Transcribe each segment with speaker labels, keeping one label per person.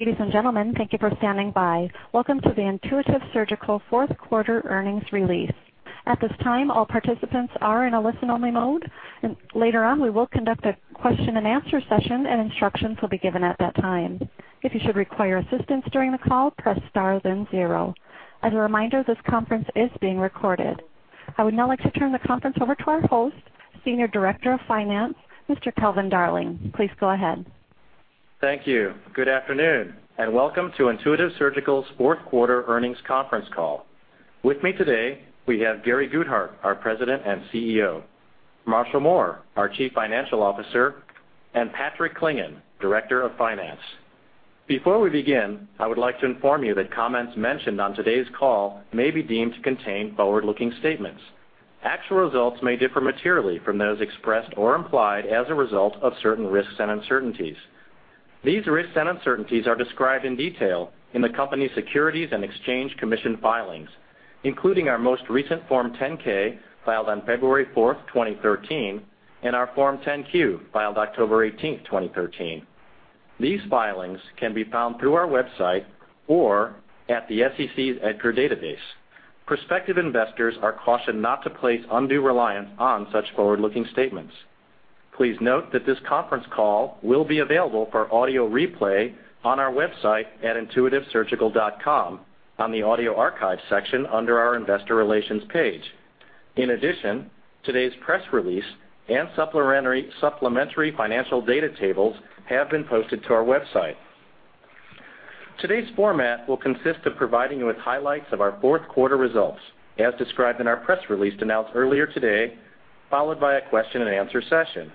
Speaker 1: Ladies and gentlemen, thank you for standing by. Welcome to the Intuitive Surgical fourth quarter earnings release. At this time, all participants are in a listen-only mode. Later on, we will conduct a question and answer session, and instructions will be given at that time. If you should require assistance during the call, press star then zero. As a reminder, this conference is being recorded. I would now like to turn the conference over to our host, Senior Director of Finance, Mr. Calvin Darling. Please go ahead.
Speaker 2: Thank you. Good afternoon, and welcome to Intuitive Surgical's fourth quarter earnings conference call. With me today, we have Gary Guthart, our President and CEO, Marshall Mohr, our Chief Financial Officer, and Patrick Clingan, Director of Finance. Before we begin, I would like to inform you that comments mentioned on today's call may be deemed to contain forward-looking statements. Actual results may differ materially from those expressed or implied as a result of certain risks and uncertainties. These risks and uncertainties are described in detail in the company's Securities and Exchange Commission filings, including our most recent Form 10-K filed on February fourth, 2013, and our Form 10-Q, filed October 18th, 2013. These filings can be found through our website or at the SEC's EDGAR database. Prospective investors are cautioned not to place undue reliance on such forward-looking statements. Please note that this conference call will be available for audio replay on our website at intuitivesurgical.com on the audio archive section under our investor relations page. In addition, today's press release and supplementary financial data tables have been posted to our website. Today's format will consist of providing you with highlights of our fourth quarter results, as described in our press release announced earlier today, followed by a question and answer session.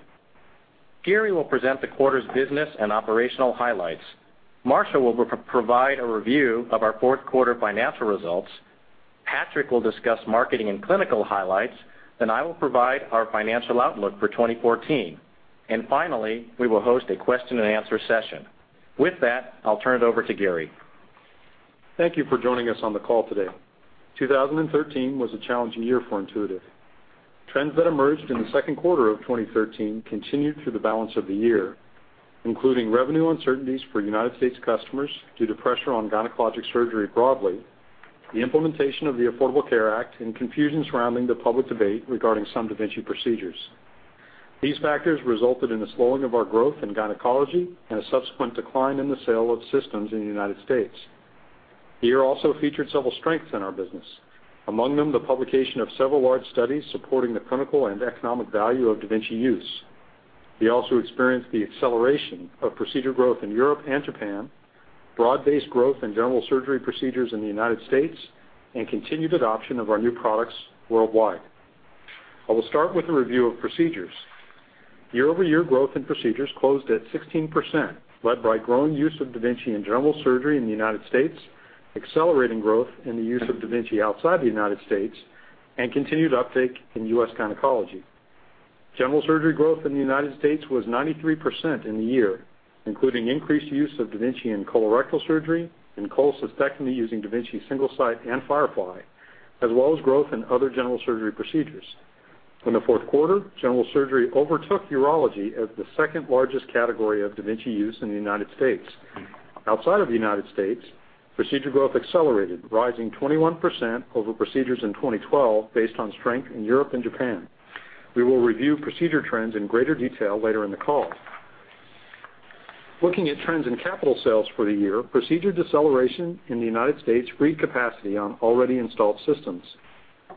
Speaker 2: Gary will present the quarter's business and operational highlights. Marshall will provide a review of our fourth quarter financial results. Patrick will discuss marketing and clinical highlights, then I will provide our financial outlook for 2014. Finally, we will host a question and answer session. With that, I'll turn it over to Gary.
Speaker 3: Thank you for joining us on the call today. 2013 was a challenging year for Intuitive. Trends that emerged in the second quarter of 2013 continued through the balance of the year, including revenue uncertainties for United States customers due to pressure on gynecologic surgery broadly, the implementation of the Affordable Care Act, and confusion surrounding the public debate regarding some da Vinci procedures. These factors resulted in a slowing of our growth in gynecology and a subsequent decline in the sale of systems in the United States. The year also featured several strengths in our business, among them the publication of several large studies supporting the clinical and economic value of da Vinci use. We also experienced the acceleration of procedure growth in Europe and Japan, broad-based growth in general surgery procedures in the United States, and continued adoption of our new products worldwide. I will start with a review of procedures. Year-over-year growth in procedures closed at 16%, led by growing use of da Vinci in general surgery in the U.S., accelerating growth in the use of da Vinci outside the U.S., and continued uptake in U.S. gynecology. General surgery growth in the U.S. was 93% in the year, including increased use of da Vinci in colorectal surgery and cholecystectomy using da Vinci Single-Site and Firefly, as well as growth in other general surgery procedures. In the fourth quarter, general surgery overtook urology as the second-largest category of da Vinci use in the U.S. Outside of the U.S., procedure growth accelerated, rising 21% over procedures in 2012 based on strength in Europe and Japan. We will review procedure trends in greater detail later in the call. Looking at trends in capital sales for the year, procedure deceleration in the U.S. freed capacity on already installed systems.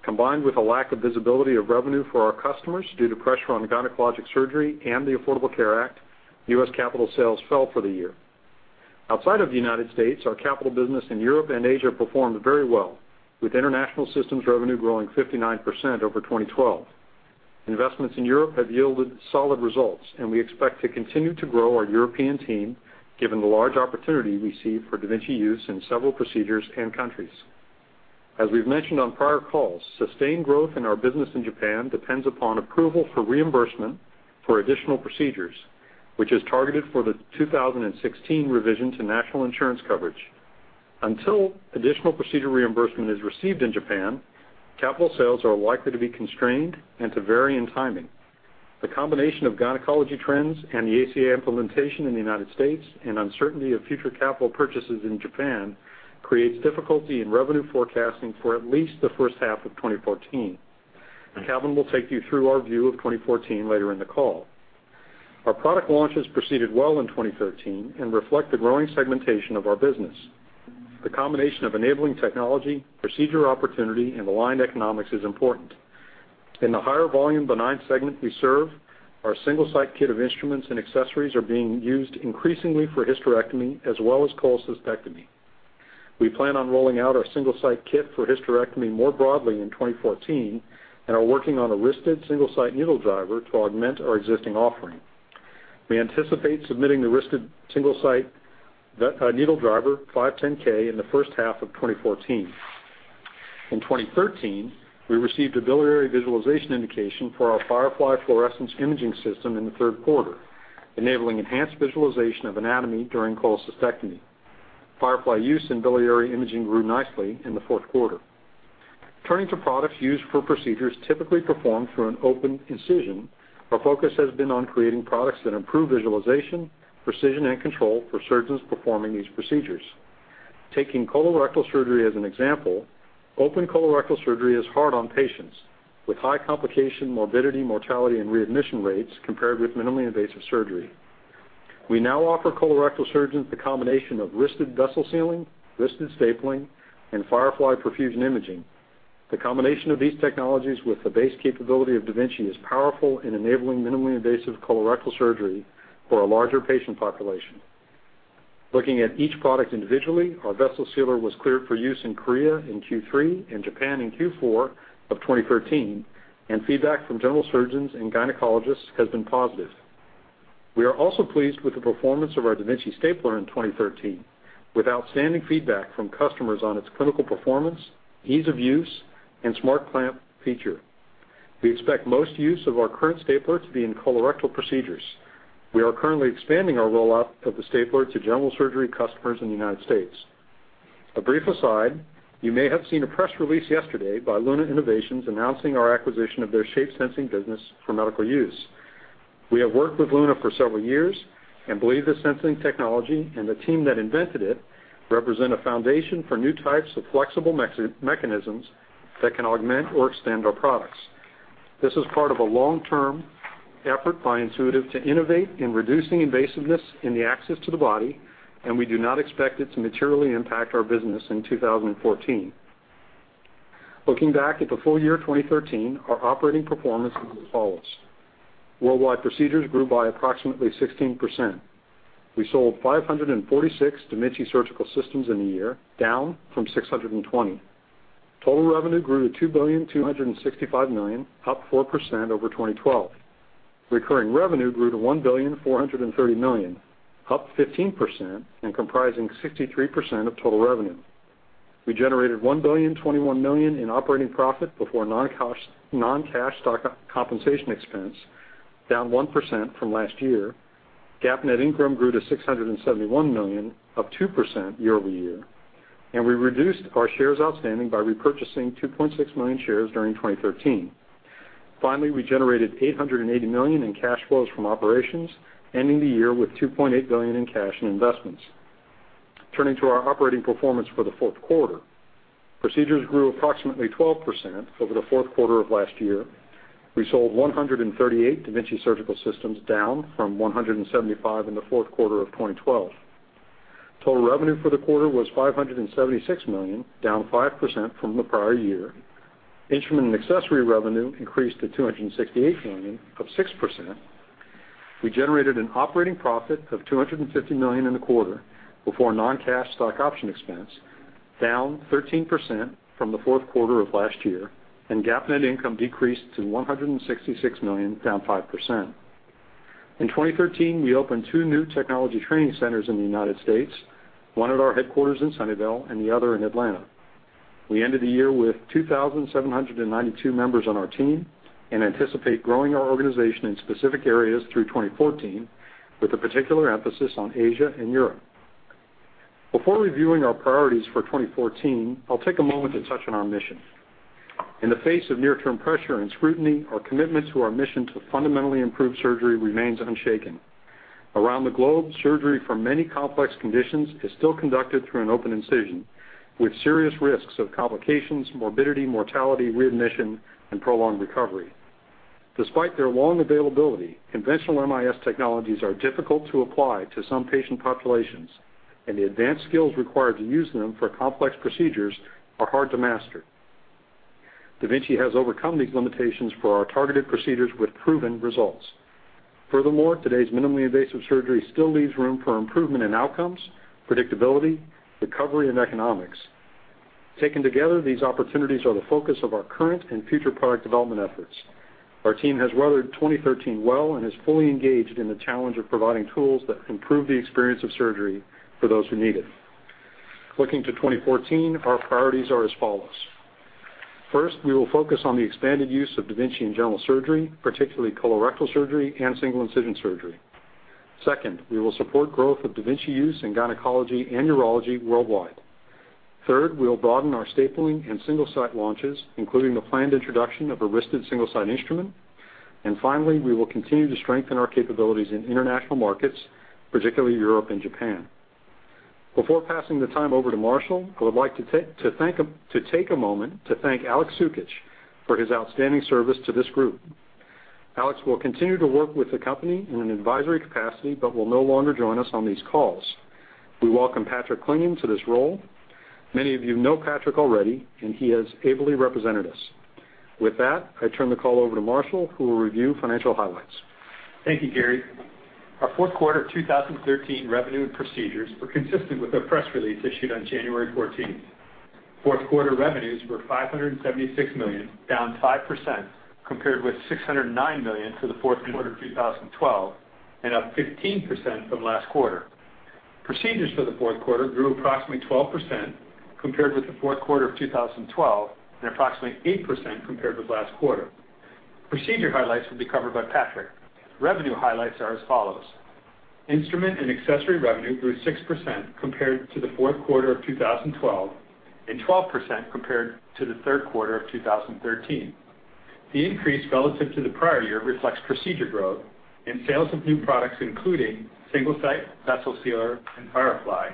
Speaker 3: Combined with a lack of visibility of revenue for our customers due to pressure on gynecologic surgery and the Affordable Care Act, U.S. capital sales fell for the year. Outside of the U.S., our capital business in Europe and Asia performed very well, with international systems revenue growing 59% over 2012. Investments in Europe have yielded solid results, and we expect to continue to grow our European team given the large opportunity we see for da Vinci use in several procedures and countries. As we've mentioned on prior calls, sustained growth in our business in Japan depends upon approval for reimbursement for additional procedures, which is targeted for the 2016 revision to national insurance coverage. Until additional procedure reimbursement is received in Japan, capital sales are likely to be constrained and to vary in timing. The combination of gynecology trends and the ACA implementation in the U.S. and uncertainty of future capital purchases in Japan creates difficulty in revenue forecasting for at least the first half of 2014. Calvin will take you through our view of 2014 later in the call. Our product launches proceeded well in 2013 and reflect the growing segmentation of our business. The combination of enabling technology, procedure opportunity, and aligned economics is important. In the higher volume benign segment we serve, our Single-Site kit of instruments and accessories are being used increasingly for hysterectomy as well as cholecystectomy. We plan on rolling out our Single-Site kit for hysterectomy more broadly in 2014 and are working on a wristed Single-Site needle driver to augment our existing offering. We anticipate submitting the wristed Single-Site needle driver 510 in the first half of 2014. In 2013, we received a biliary visualization indication for our Firefly fluorescence imaging system in the third quarter, enabling enhanced visualization of anatomy during cholecystectomy. Firefly use in biliary imaging grew nicely in the fourth quarter. Turning to products used for procedures typically performed through an open incision, our focus has been on creating products that improve visualization, precision, and control for surgeons performing these procedures. Taking colorectal surgery as an example, open colorectal surgery is hard on patients with high complication, morbidity, mortality, and readmission rates compared with minimally invasive surgery. We now offer colorectal surgeons the combination of wristed vessel sealing, wristed stapling, and Firefly perfusion imaging. The combination of these technologies with the base capability of da Vinci is powerful in enabling minimally invasive colorectal surgery for a larger patient population. Looking at each product individually, our Vessel Sealer was cleared for use in Korea in Q3 and Japan in Q4 of 2013. Feedback from general surgeons and gynecologists has been positive. We are also pleased with the performance of our da Vinci stapler in 2013, with outstanding feedback from customers on its clinical performance, ease of use, and SmartClamp feature. We expect most use of our current stapler to be in colorectal procedures. We are currently expanding our rollout of the stapler to general surgery customers in the U.S. A brief aside, you may have seen a press release yesterday by Luna Innovations announcing our acquisition of their shape-sensing business for medical use. We have worked with Luna for several years and believe the sensing technology and the team that invented it represent a foundation for new types of flexible mechanisms that can augment or extend our products. This is part of a long-term effort by Intuitive to innovate in reducing invasiveness in the access to the body, and we do not expect it to materially impact our business in 2014. Looking back at the full year 2013, our operating performance as follows. Worldwide procedures grew by approximately 16%. We sold 546 da Vinci surgical systems in the year, down from 620. Total revenue grew to $2,265 million, up 4% over 2012. Recurring revenue grew to $1,430 million, up 15% and comprising 63% of total revenue. We generated $1,021 million in operating profit before non-cash stock compensation expense, down 1% from last year. GAAP net income grew to $671 million, up 2% year-over-year. We reduced our shares outstanding by repurchasing 2.6 million shares during 2013. We generated $880 million in cash flows from operations, ending the year with $2.8 billion in cash and investments. Turning to our operating performance for the fourth quarter, procedures grew approximately 12% over the fourth quarter of last year. We sold 138 da Vinci surgical systems, down from 175 in the fourth quarter of 2012. Total revenue for the quarter was $576 million, down 5% from the prior year. Instrument and accessory revenue increased to $268 million, up 6%. We generated an operating profit of $250 million in the quarter before non-cash stock option expense, down 13% from the fourth quarter of last year. GAAP net income decreased to $166 million, down 5%. In 2013, we opened two new technology training centers in the U.S., one at our headquarters in Sunnyvale and the other in Atlanta. We ended the year with 2,792 members on our team and anticipate growing our organization in specific areas through 2014, with a particular emphasis on Asia and Europe. Before reviewing our priorities for 2014, I'll take a moment to touch on our mission. In the face of near-term pressure and scrutiny, our commitment to our mission to fundamentally improve surgery remains unshaken. Around the globe, surgery for many complex conditions is still conducted through an open incision, with serious risks of complications, morbidity, mortality, readmission, and prolonged recovery. Despite their long availability, conventional MIS technologies are difficult to apply to some patient populations, and the advanced skills required to use them for complex procedures are hard to master. Da Vinci has overcome these limitations for our targeted procedures with proven results. Furthermore, today's minimally invasive surgery still leaves room for improvement in outcomes, predictability, recovery, and economics. Taken together, these opportunities are the focus of our current and future product development efforts. Our team has weathered 2013 well and is fully engaged in the challenge of providing tools that improve the experience of surgery for those who need it. Looking to 2014, our priorities are as follows. First, we will focus on the expanded use of da Vinci in general surgery, particularly colorectal surgery and single incision surgery. Second, we will support growth of da Vinci use in gynecology and urology worldwide. Third, we will broaden our stapling and Single-Site launches, including the planned introduction of a wristed Single-Site instrument. Finally, we will continue to strengthen our capabilities in international markets, particularly Europe and Japan. Before passing the time over to Marshall, I would like to take a moment to thank Alex Tsukich for his outstanding service to this group. Alex will continue to work with the company in an advisory capacity but will no longer join us on these calls. We welcome Patrick Clingan to this role. Many of you know Patrick already, and he has ably represented us. With that, I turn the call over to Marshall, who will review financial highlights.
Speaker 4: Thank you, Gary. Our fourth quarter 2013 revenue and procedures were consistent with the press release issued on January 14th. Fourth quarter revenues were $576 million, down 5%, compared with $609 million for the fourth quarter 2012 and up 15% from last quarter. Procedures for the fourth quarter grew approximately 12% compared with the fourth quarter of 2012 and approximately 8% compared with last quarter. Procedure highlights will be covered by Patrick. Revenue highlights are as follows. Instrument and accessory revenue grew 6% compared to the fourth quarter of 2012 and 12% compared to the third quarter of 2013. The increase relative to the prior year reflects procedure growth and sales of new products, including Single-Site, Vessel Sealer, and Firefly,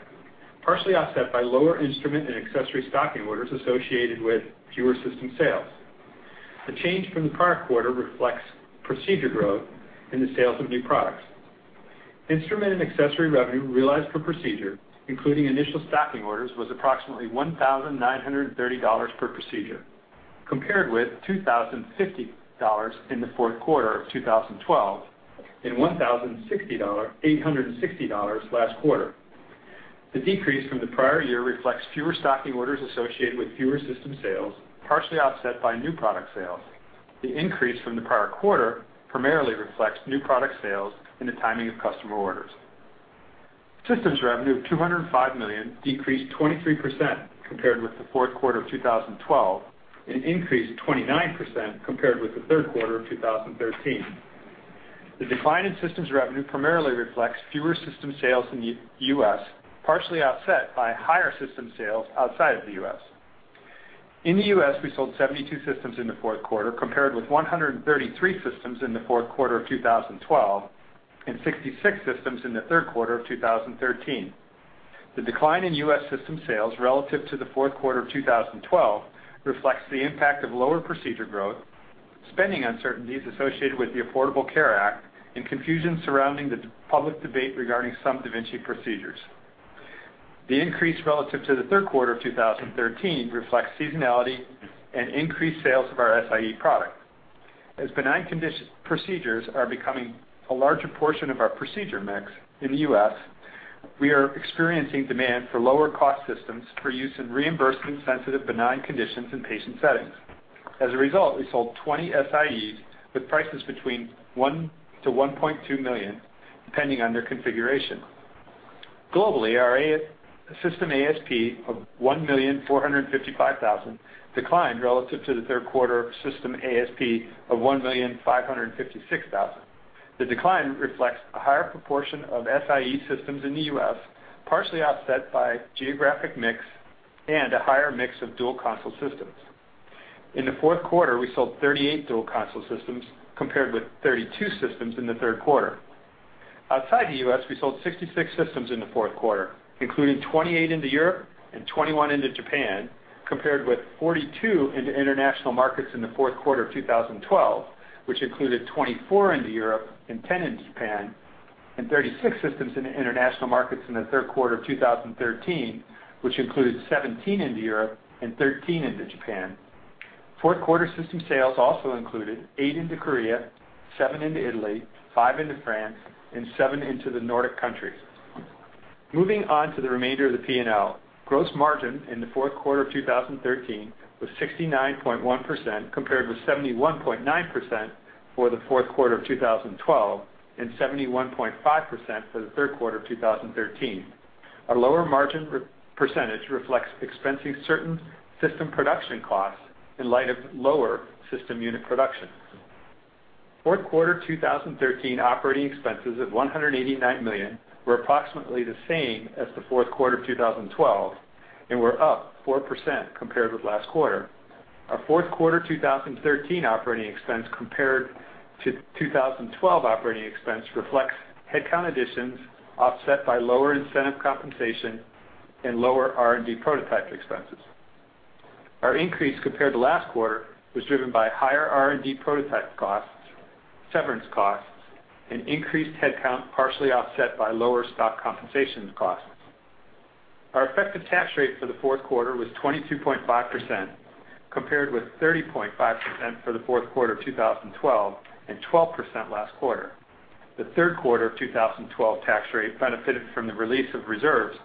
Speaker 4: partially offset by lower instrument and accessory stocking orders associated with fewer system sales. The change from the prior quarter reflects procedure growth and the sales of new products. Instrument and accessory revenue realized per procedure, including initial stocking orders, was approximately $1,930 per procedure, compared with $2,050 in the fourth quarter of 2012 and $1,860 last quarter. The decrease from the prior year reflects fewer stocking orders associated with fewer system sales, partially offset by new product sales. The increase from the prior quarter primarily reflects new product sales and the timing of customer orders. Systems revenue of $205 million decreased 23% compared with the fourth quarter of 2012 and increased 29% compared with the third quarter of 2013. The decline in systems revenue primarily reflects fewer system sales in the U.S., partially offset by higher system sales outside of the U.S. In the U.S., we sold 72 systems in the fourth quarter, compared with 133 systems in the fourth quarter of 2012 and 66 systems in the third quarter of 2013. The decline in U.S. system sales relative to the fourth quarter of 2012 reflects the impact of lower procedure growth, spending uncertainties associated with the Affordable Care Act, and confusion surrounding the public debate regarding some da Vinci procedures. The increase relative to the third quarter of 2013 reflects seasonality and increased sales of our Si product. As benign procedures are becoming a larger portion of our procedure mix in the U.S., we are experiencing demand for lower-cost systems for use in reimbursement-sensitive benign conditions and patient settings. As a result, we sold 20 SiEs with prices between $1 million to $1.2 million, depending on their configuration. Globally, our system ASP of $1,455,000 declined relative to the third quarter system ASP of $1,556,000. The decline reflects a higher proportion of Si systems in the U.S., partially offset by geographic mix and a higher mix of dual console systems. In the fourth quarter, we sold 38 dual console systems, compared with 32 systems in the third quarter. Outside the U.S., we sold 66 systems in the fourth quarter, including 28 into Europe and 21 into Japan, compared with 42 into international markets in the fourth quarter of 2012, which included 24 into Europe and 10 into Japan, and 36 systems into international markets in the third quarter of 2013, which included 17 into Europe and 13 into Japan. Fourth quarter system sales also included eight into Korea, seven into Italy, five into France, and seven into the Nordic countries. Moving on to the remainder of the P&L. Gross margin in the fourth quarter of 2013 was 69.1%, compared with 71.9% for the fourth quarter of 2012 and 71.5% for the third quarter of 2013. A lower margin percentage reflects expensing certain system production costs in light of lower system unit production. Fourth quarter 2013 operating expenses of $189 million were approximately the same as the fourth quarter of 2012 and were up 4% compared with last quarter. Our fourth quarter 2013 operating expense compared to 2012 operating expense reflects headcount additions offset by lower incentive compensation and lower R&D prototype expenses. Our increase compared to last quarter was driven by higher R&D prototype costs, severance costs, and increased headcount, partially offset by lower stock compensation costs. Our effective tax rate for the fourth quarter was 22.5%, compared with 30.5% for the fourth quarter of 2012 and 12% last quarter. The third quarter of 2012 tax rate benefited from the release of reserves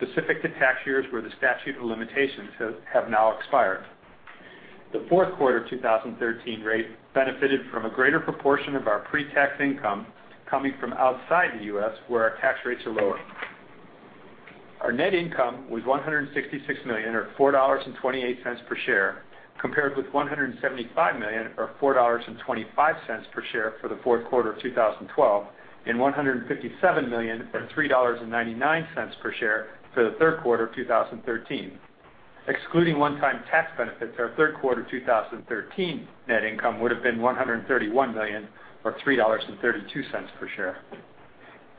Speaker 4: specific to tax years where the statute of limitations have now expired. The fourth quarter 2013 rate benefited from a greater proportion of our pre-tax income coming from outside the U.S., where our tax rates are lower. Our net income was $166 million, or $4.28 per share, compared with $175 million, or $4.25 per share for the fourth quarter of 2012 and $157 million, or $3.99 per share for the third quarter of 2013. Excluding one-time tax benefits, our third quarter 2013 net income would have been $131 million or $3.32 per share.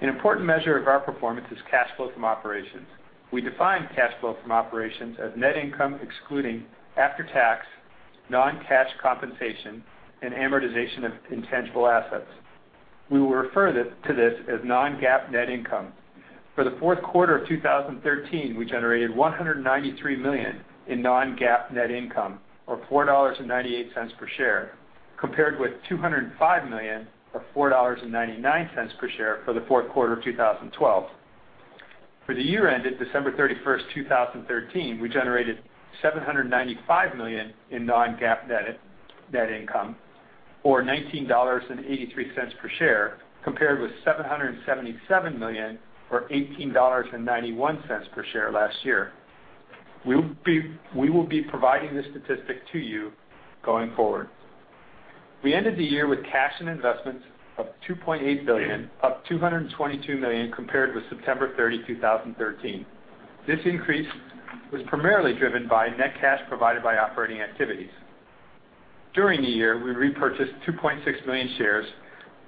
Speaker 4: An important measure of our performance is cash flow from operations. We define cash flow from operations as net income excluding after-tax non-cash compensation and amortization of intangible assets. We will refer to this as non-GAAP net income. For the fourth quarter of 2013, we generated $193 million in non-GAAP net income, or $4.98 per share, compared with $205 million, or $4.99 per share for the fourth quarter of 2012. For the year ended December 31st, 2013, we generated $795 million in non-GAAP net income, or $19.83 per share, compared with $777 million, or $18.91 per share last year. We will be providing this statistic to you going forward. We ended the year with cash and investments of $2.8 billion, up $222 million compared with September 30, 2013. This increase was primarily driven by net cash provided by operating activities. During the year, we repurchased 2.6 million shares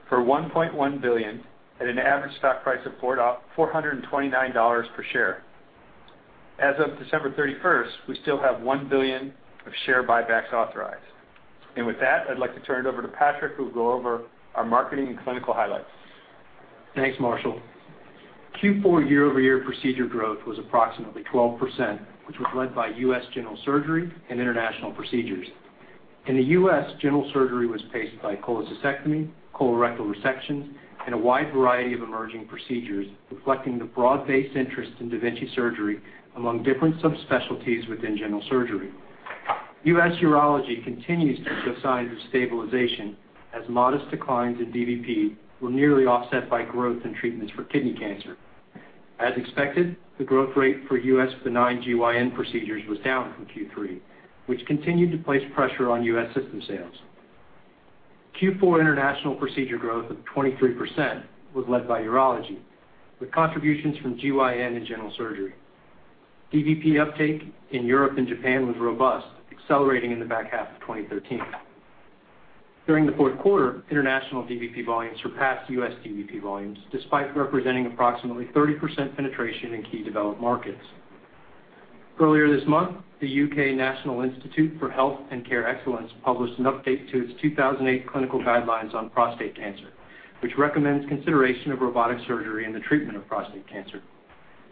Speaker 4: for $1.1 billion at an average stock price of $429 per share. As of December 31st, we still have $1 billion of share buybacks authorized. With that, I'd like to turn it over to Patrick, who will go over our marketing and clinical highlights.
Speaker 5: Thanks, Marshall. Q4 year-over-year procedure growth was approximately 12%, which was led by U.S. general surgery and international procedures. In the U.S., general surgery was paced by cholecystectomy, colorectal resections, and a wide variety of emerging procedures, reflecting the broad-based interest in da Vinci surgery among different subspecialties within general surgery. U.S. urology continues to show signs of stabilization, as modest declines in DVP were nearly offset by growth in treatments for kidney cancer. As expected, the growth rate for U.S. benign GYN procedures was down from Q3, which continued to place pressure on U.S. system sales. Q4 international procedure growth of 23% was led by urology, with contributions from GYN and general surgery. DVP uptake in Europe and Japan was robust, accelerating in the back half of 2013. During the fourth quarter, international DVP volumes surpassed U.S. DVP volumes, despite representing approximately 30% penetration in key developed markets. Earlier this month, the U.K. National Institute for Health and Care Excellence published an update to its 2008 clinical guidelines on prostate cancer, which recommends consideration of robotic surgery in the treatment of prostate cancer.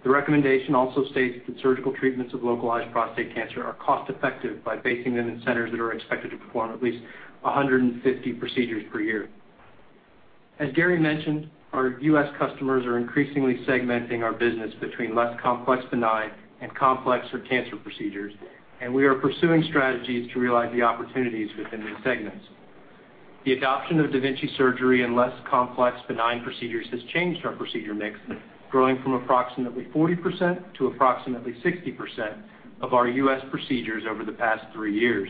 Speaker 5: The recommendation also states that surgical treatments of localized prostate cancer are cost-effective by basing them in centers that are expected to perform at least 150 procedures per year. As Gary mentioned, our U.S. customers are increasingly segmenting our business between less complex benign and complex or cancer procedures, and we are pursuing strategies to realize the opportunities within these segments. The adoption of da Vinci surgery in less complex benign procedures has changed our procedure mix, growing from approximately 40% to approximately 60% of our U.S. procedures over the past three years.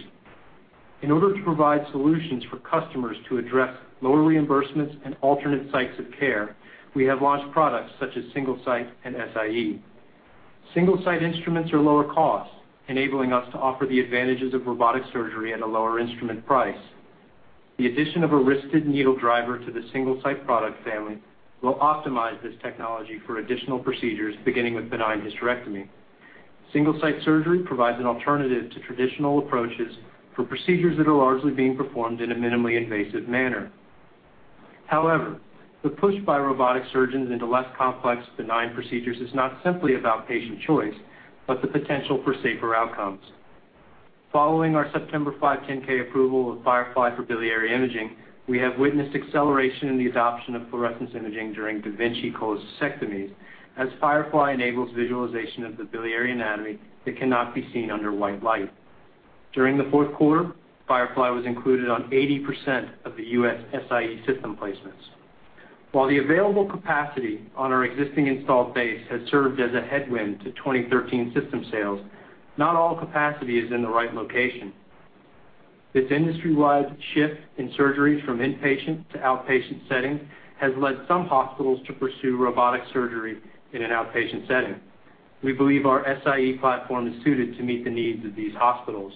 Speaker 5: In order to provide solutions for customers to address lower reimbursements and alternate sites of care, we have launched products such as Single-Site and Si. Single-Site instruments are lower cost, enabling us to offer the advantages of robotic surgery at a lower instrument price. The addition of a wristed needle driver to the Single-Site product family will optimize this technology for additional procedures, beginning with benign hysterectomy. Single-Site surgery provides an alternative to traditional approaches for procedures that are largely being performed in a minimally invasive manner. However, the push by robotic surgeons into less complex benign procedures is not simply about patient choice, but the potential for safer outcomes. Following our September 510(k) approval of Firefly for biliary imaging, we have witnessed acceleration in the adoption of fluorescence imaging during da Vinci cholecystectomies, as Firefly enables visualization of the biliary anatomy that cannot be seen under white light. During the fourth quarter, Firefly was included on 80% of the U.S. Si system placements. While the available capacity on our existing installed base has served as a headwind to 2013 system sales, not all capacity is in the right location. This industry-wide shift in surgery from inpatient to outpatient settings has led some hospitals to pursue robotic surgery in an outpatient setting. We believe our Si platform is suited to meet the needs of these hospitals.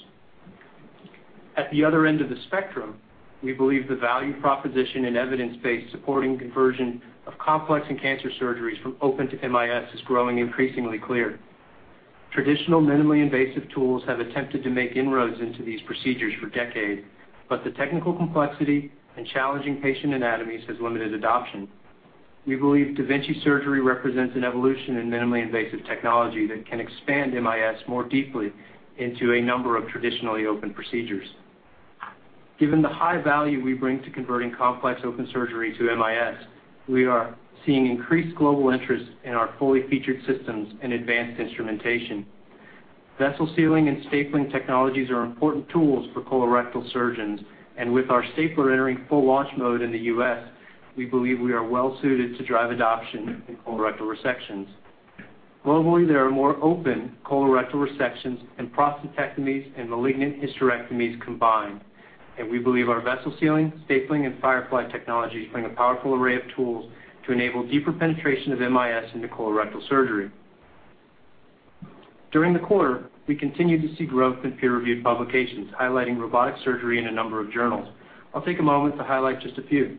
Speaker 5: At the other end of the spectrum, we believe the value proposition and evidence base supporting conversion of complex and cancer surgeries from open to MIS is growing increasingly clear. Traditional minimally invasive tools have attempted to make inroads into these procedures for decades, but the technical complexity and challenging patient anatomies has limited adoption. We believe da Vinci surgery represents an evolution in minimally invasive technology that can expand MIS more deeply into a number of traditionally open procedures. Given the high value we bring to converting complex open surgery to MIS, we are seeing increased global interest in our fully featured systems and advanced instrumentation. Vessel sealing and stapling technologies are important tools for colorectal surgeons, and with our stapler entering full launch mode in the U.S., we believe we are well-suited to drive adoption in colorectal resections. Globally, there are more open colorectal resections and prostatectomies and malignant hysterectomies combined, and we believe our vessel sealing, stapling, and Firefly technologies bring a powerful array of tools to enable deeper penetration of MIS into colorectal surgery. During the quarter, we continued to see growth in peer-reviewed publications highlighting robotic surgery in a number of journals. I'll take a moment to highlight just a few.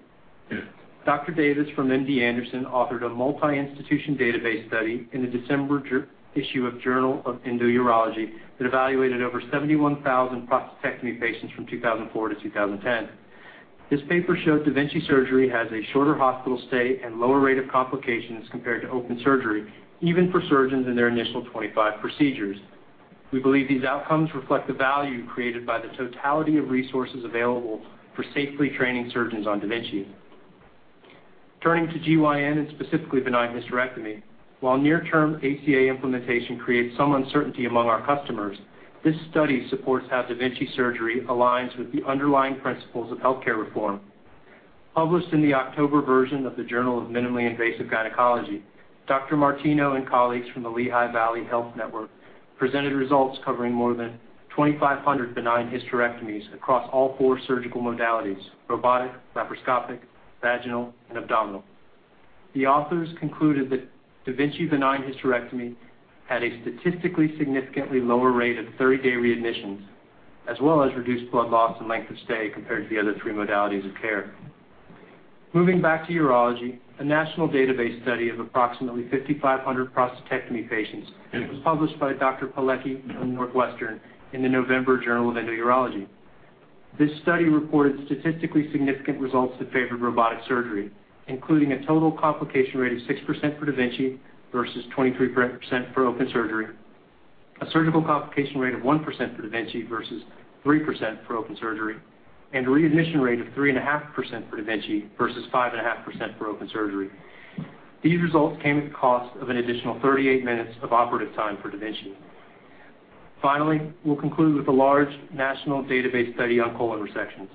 Speaker 5: Dr. Davis from MD Anderson authored a multi-institution database study in the December issue of Journal of Endourology that evaluated over 71,000 prostatectomy patients from 2004 to 2010. This paper showed da Vinci surgery has a shorter hospital stay and lower rate of complications compared to open surgery, even for surgeons in their initial 25 procedures. We believe these outcomes reflect the value created by the totality of resources available for safely training surgeons on da Vinci. Turning to GYN, and specifically benign hysterectomy, while near-term ACA implementation creates some uncertainty among our customers, this study supports how da Vinci surgery aligns with the underlying principles of healthcare reform. Published in the October version of the "Journal of Minimally Invasive Gynecology," Dr. Martino and colleagues from the Lehigh Valley Health Network presented results covering more than 2,500 benign hysterectomies across all four surgical modalities: robotic, laparoscopic, vaginal, and abdominal. The authors concluded that da Vinci benign hysterectomy had a statistically significantly lower rate of 30-day readmissions, as well as reduced blood loss and length of stay compared to the other three modalities of care. Moving back to urology, a national database study of approximately 5,500 prostatectomy patients was published by Dr. Pilecki from Northwestern in the November "Journal of Endourology." This study reported statistically significant results that favored robotic surgery, including a total complication rate of 6% for da Vinci versus 23% for open surgery, a surgical complication rate of 1% for da Vinci versus 3% for open surgery, and a readmission rate of 3.5% for da Vinci versus 5.5% for open surgery. These results came at the cost of an additional 38 minutes of operative time for da Vinci. We'll conclude with a large national database study on colon resections.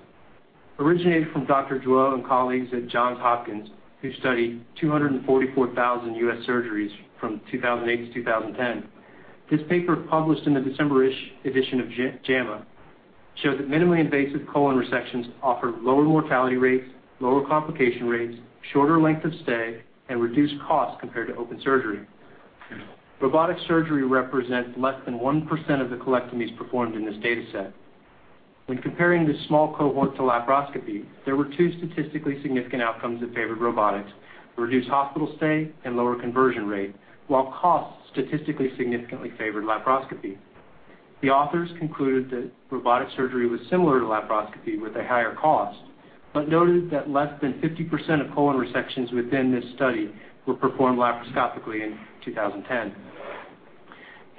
Speaker 5: Originating from Dr. Joo and colleagues at Johns Hopkins, who studied 244,000 U.S. surgeries from 2008 to 2010. This paper, published in the December-ish edition of "JAMA," showed that minimally invasive colon resections offer lower mortality rates, lower complication rates, shorter length of stay, and reduced costs compared to open surgery. Robotic surgery represents less than 1% of the colectomies performed in this data set. When comparing this small cohort to laparoscopy, there were two statistically significant outcomes that favored robotics: reduced hospital stay and lower conversion rate, while costs statistically significantly favored laparoscopy. The authors concluded that robotic surgery was similar to laparoscopy with a higher cost, but noted that less than 50% of colon resections within this study were performed laparoscopically in 2010.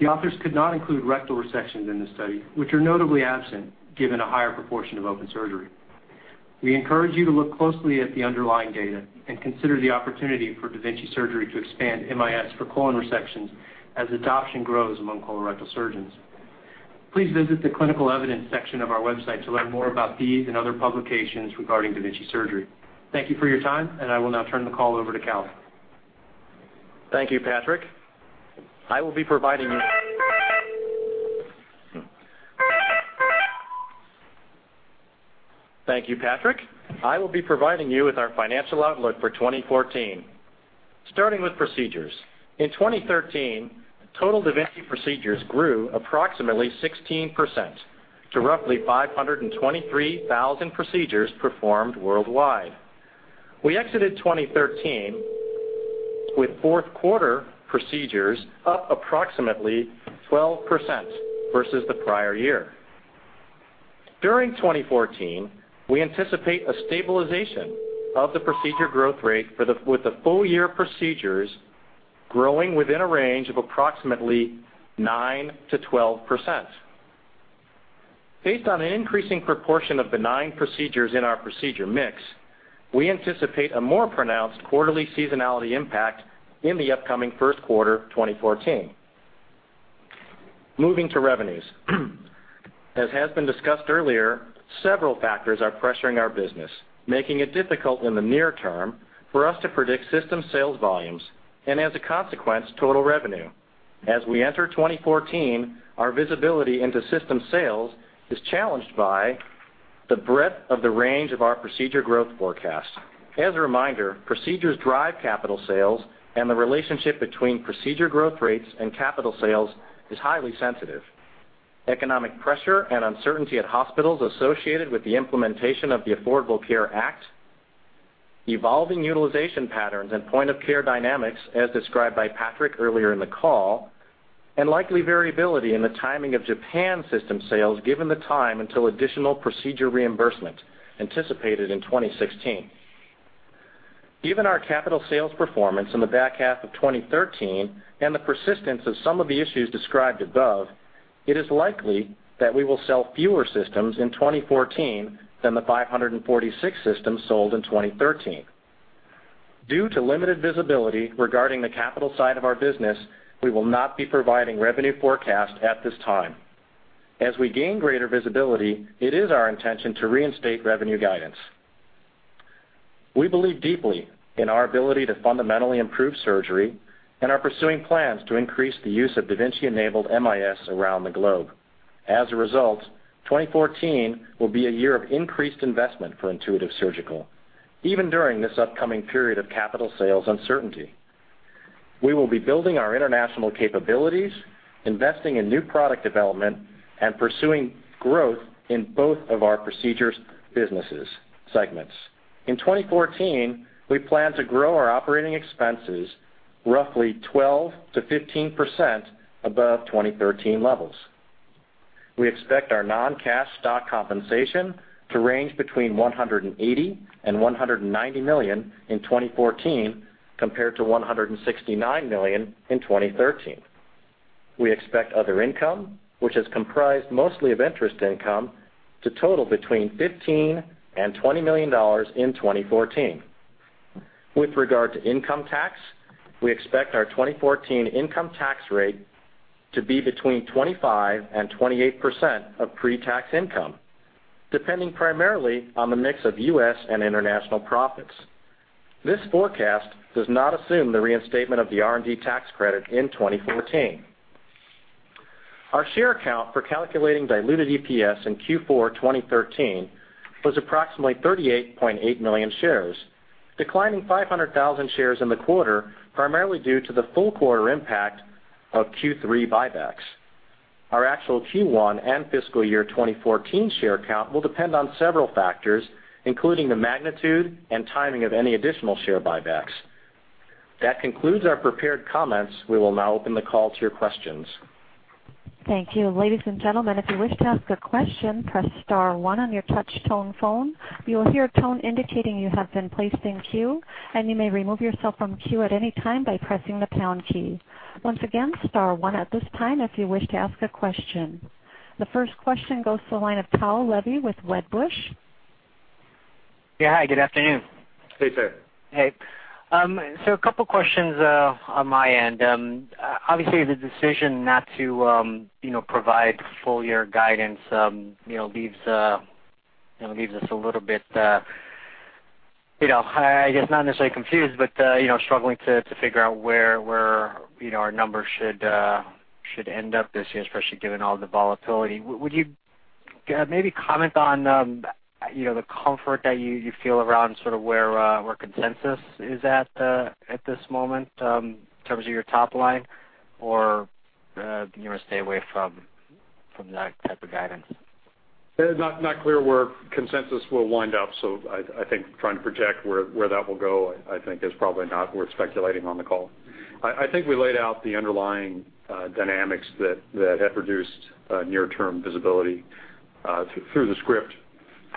Speaker 5: The authors could not include rectal resections in this study, which are notably absent given a higher proportion of open surgery. We encourage you to look closely at the underlying data and consider the opportunity for da Vinci surgery to expand MIS for colon resections as adoption grows among colorectal surgeons. Please visit the clinical evidence section of our website to learn more about these and other publications regarding da Vinci surgery. Thank you for your time, and I will now turn the call over to Cal.
Speaker 2: Thank you, Patrick. I will be providing you with our financial outlook for 2014. Starting with procedures. In 2013, total da Vinci procedures grew approximately 16% to roughly 523,000 procedures performed worldwide. We exited 2013 with fourth quarter procedures up approximately 12% versus the prior year. During 2014, we anticipate a stabilization of the procedure growth rate with the full-year procedures growing within a range of approximately 9%-12%. Based on an increasing proportion of benign procedures in our procedure mix, we anticipate a more pronounced quarterly seasonality impact in the upcoming first quarter 2014. Moving to revenues. As has been discussed earlier, several factors are pressuring our business, making it difficult in the near term for us to predict system sales volumes and, as a consequence, total revenue. We enter 2014, our visibility into system sales is challenged by the breadth of the range of our procedure growth forecast. A reminder, procedures drive capital sales and the relationship between procedure growth rates and capital sales is highly sensitive. Economic pressure and uncertainty at hospitals associated with the implementation of the Affordable Care Act, evolving utilization patterns and point of care dynamics, as described by Patrick earlier in the call, and likely variability in the timing of Japan system sales given the time until additional procedure reimbursement anticipated in 2016. Given our capital sales performance in the back half of 2013 and the persistence of some of the issues described above, it is likely that we will sell fewer systems in 2014 than the 546 systems sold in 2013. Due to limited visibility regarding the capital side of our business, we will not be providing revenue forecast at this time. We gain greater visibility, it is our intention to reinstate revenue guidance. We believe deeply in our ability to fundamentally improve surgery and are pursuing plans to increase the use of da Vinci-enabled MIS around the globe. A result, 2014 will be a year of increased investment for Intuitive Surgical, even during this upcoming period of capital sales uncertainty. We will be building our international capabilities, investing in new product development, and pursuing growth in both of our procedures businesses segments. In 2014, we plan to grow our operating expenses roughly 12%-15% above 2013 levels. We expect our non-cash stock compensation to range between $180 million and $190 million in 2014, compared to $169 million in 2013. We expect other income, which is comprised mostly of interest income, to total between $15 million and $20 million in 2014. With regard to income tax, we expect our 2014 income tax rate to be between 25% and 28% of pre-tax income, depending primarily on the mix of U.S. and international profits. This forecast does not assume the reinstatement of the R&D tax credit in 2014. Our share count for calculating diluted EPS in Q4 2013 was approximately 38.8 million shares, declining 500,000 shares in the quarter, primarily due to the full quarter impact of Q3 buybacks. Our actual Q1 and fiscal year 2014 share count will depend on several factors, including the magnitude and timing of any additional share buybacks. That concludes our prepared comments. We will now open the call to your questions.
Speaker 1: Thank you. Ladies and gentlemen, if you wish to ask a question, press *1 on your touch tone phone. You will hear a tone indicating you have been placed in queue, and you may remove yourself from queue at any time by pressing the # key. Once again, *1 at this time if you wish to ask a question. The first question goes to the line of Tao Levy with Wedbush.
Speaker 6: Yeah, hi, good afternoon.
Speaker 3: Hey, Tao.
Speaker 6: Hey. A couple questions on my end. Obviously, the decision not to provide full year guidance leaves us a little bit, I guess not necessarily confused, but struggling to figure out where our numbers should end up this year, especially given all the volatility. Would you maybe comment on the comfort that you feel around sort of where consensus is at this moment in terms of your top line? Or do you want to stay away from that type of guidance?
Speaker 3: Not clear where consensus will wind up. I think trying to project where that will go is probably not worth speculating on the call. I think we laid out the underlying dynamics that have reduced near-term visibility through the script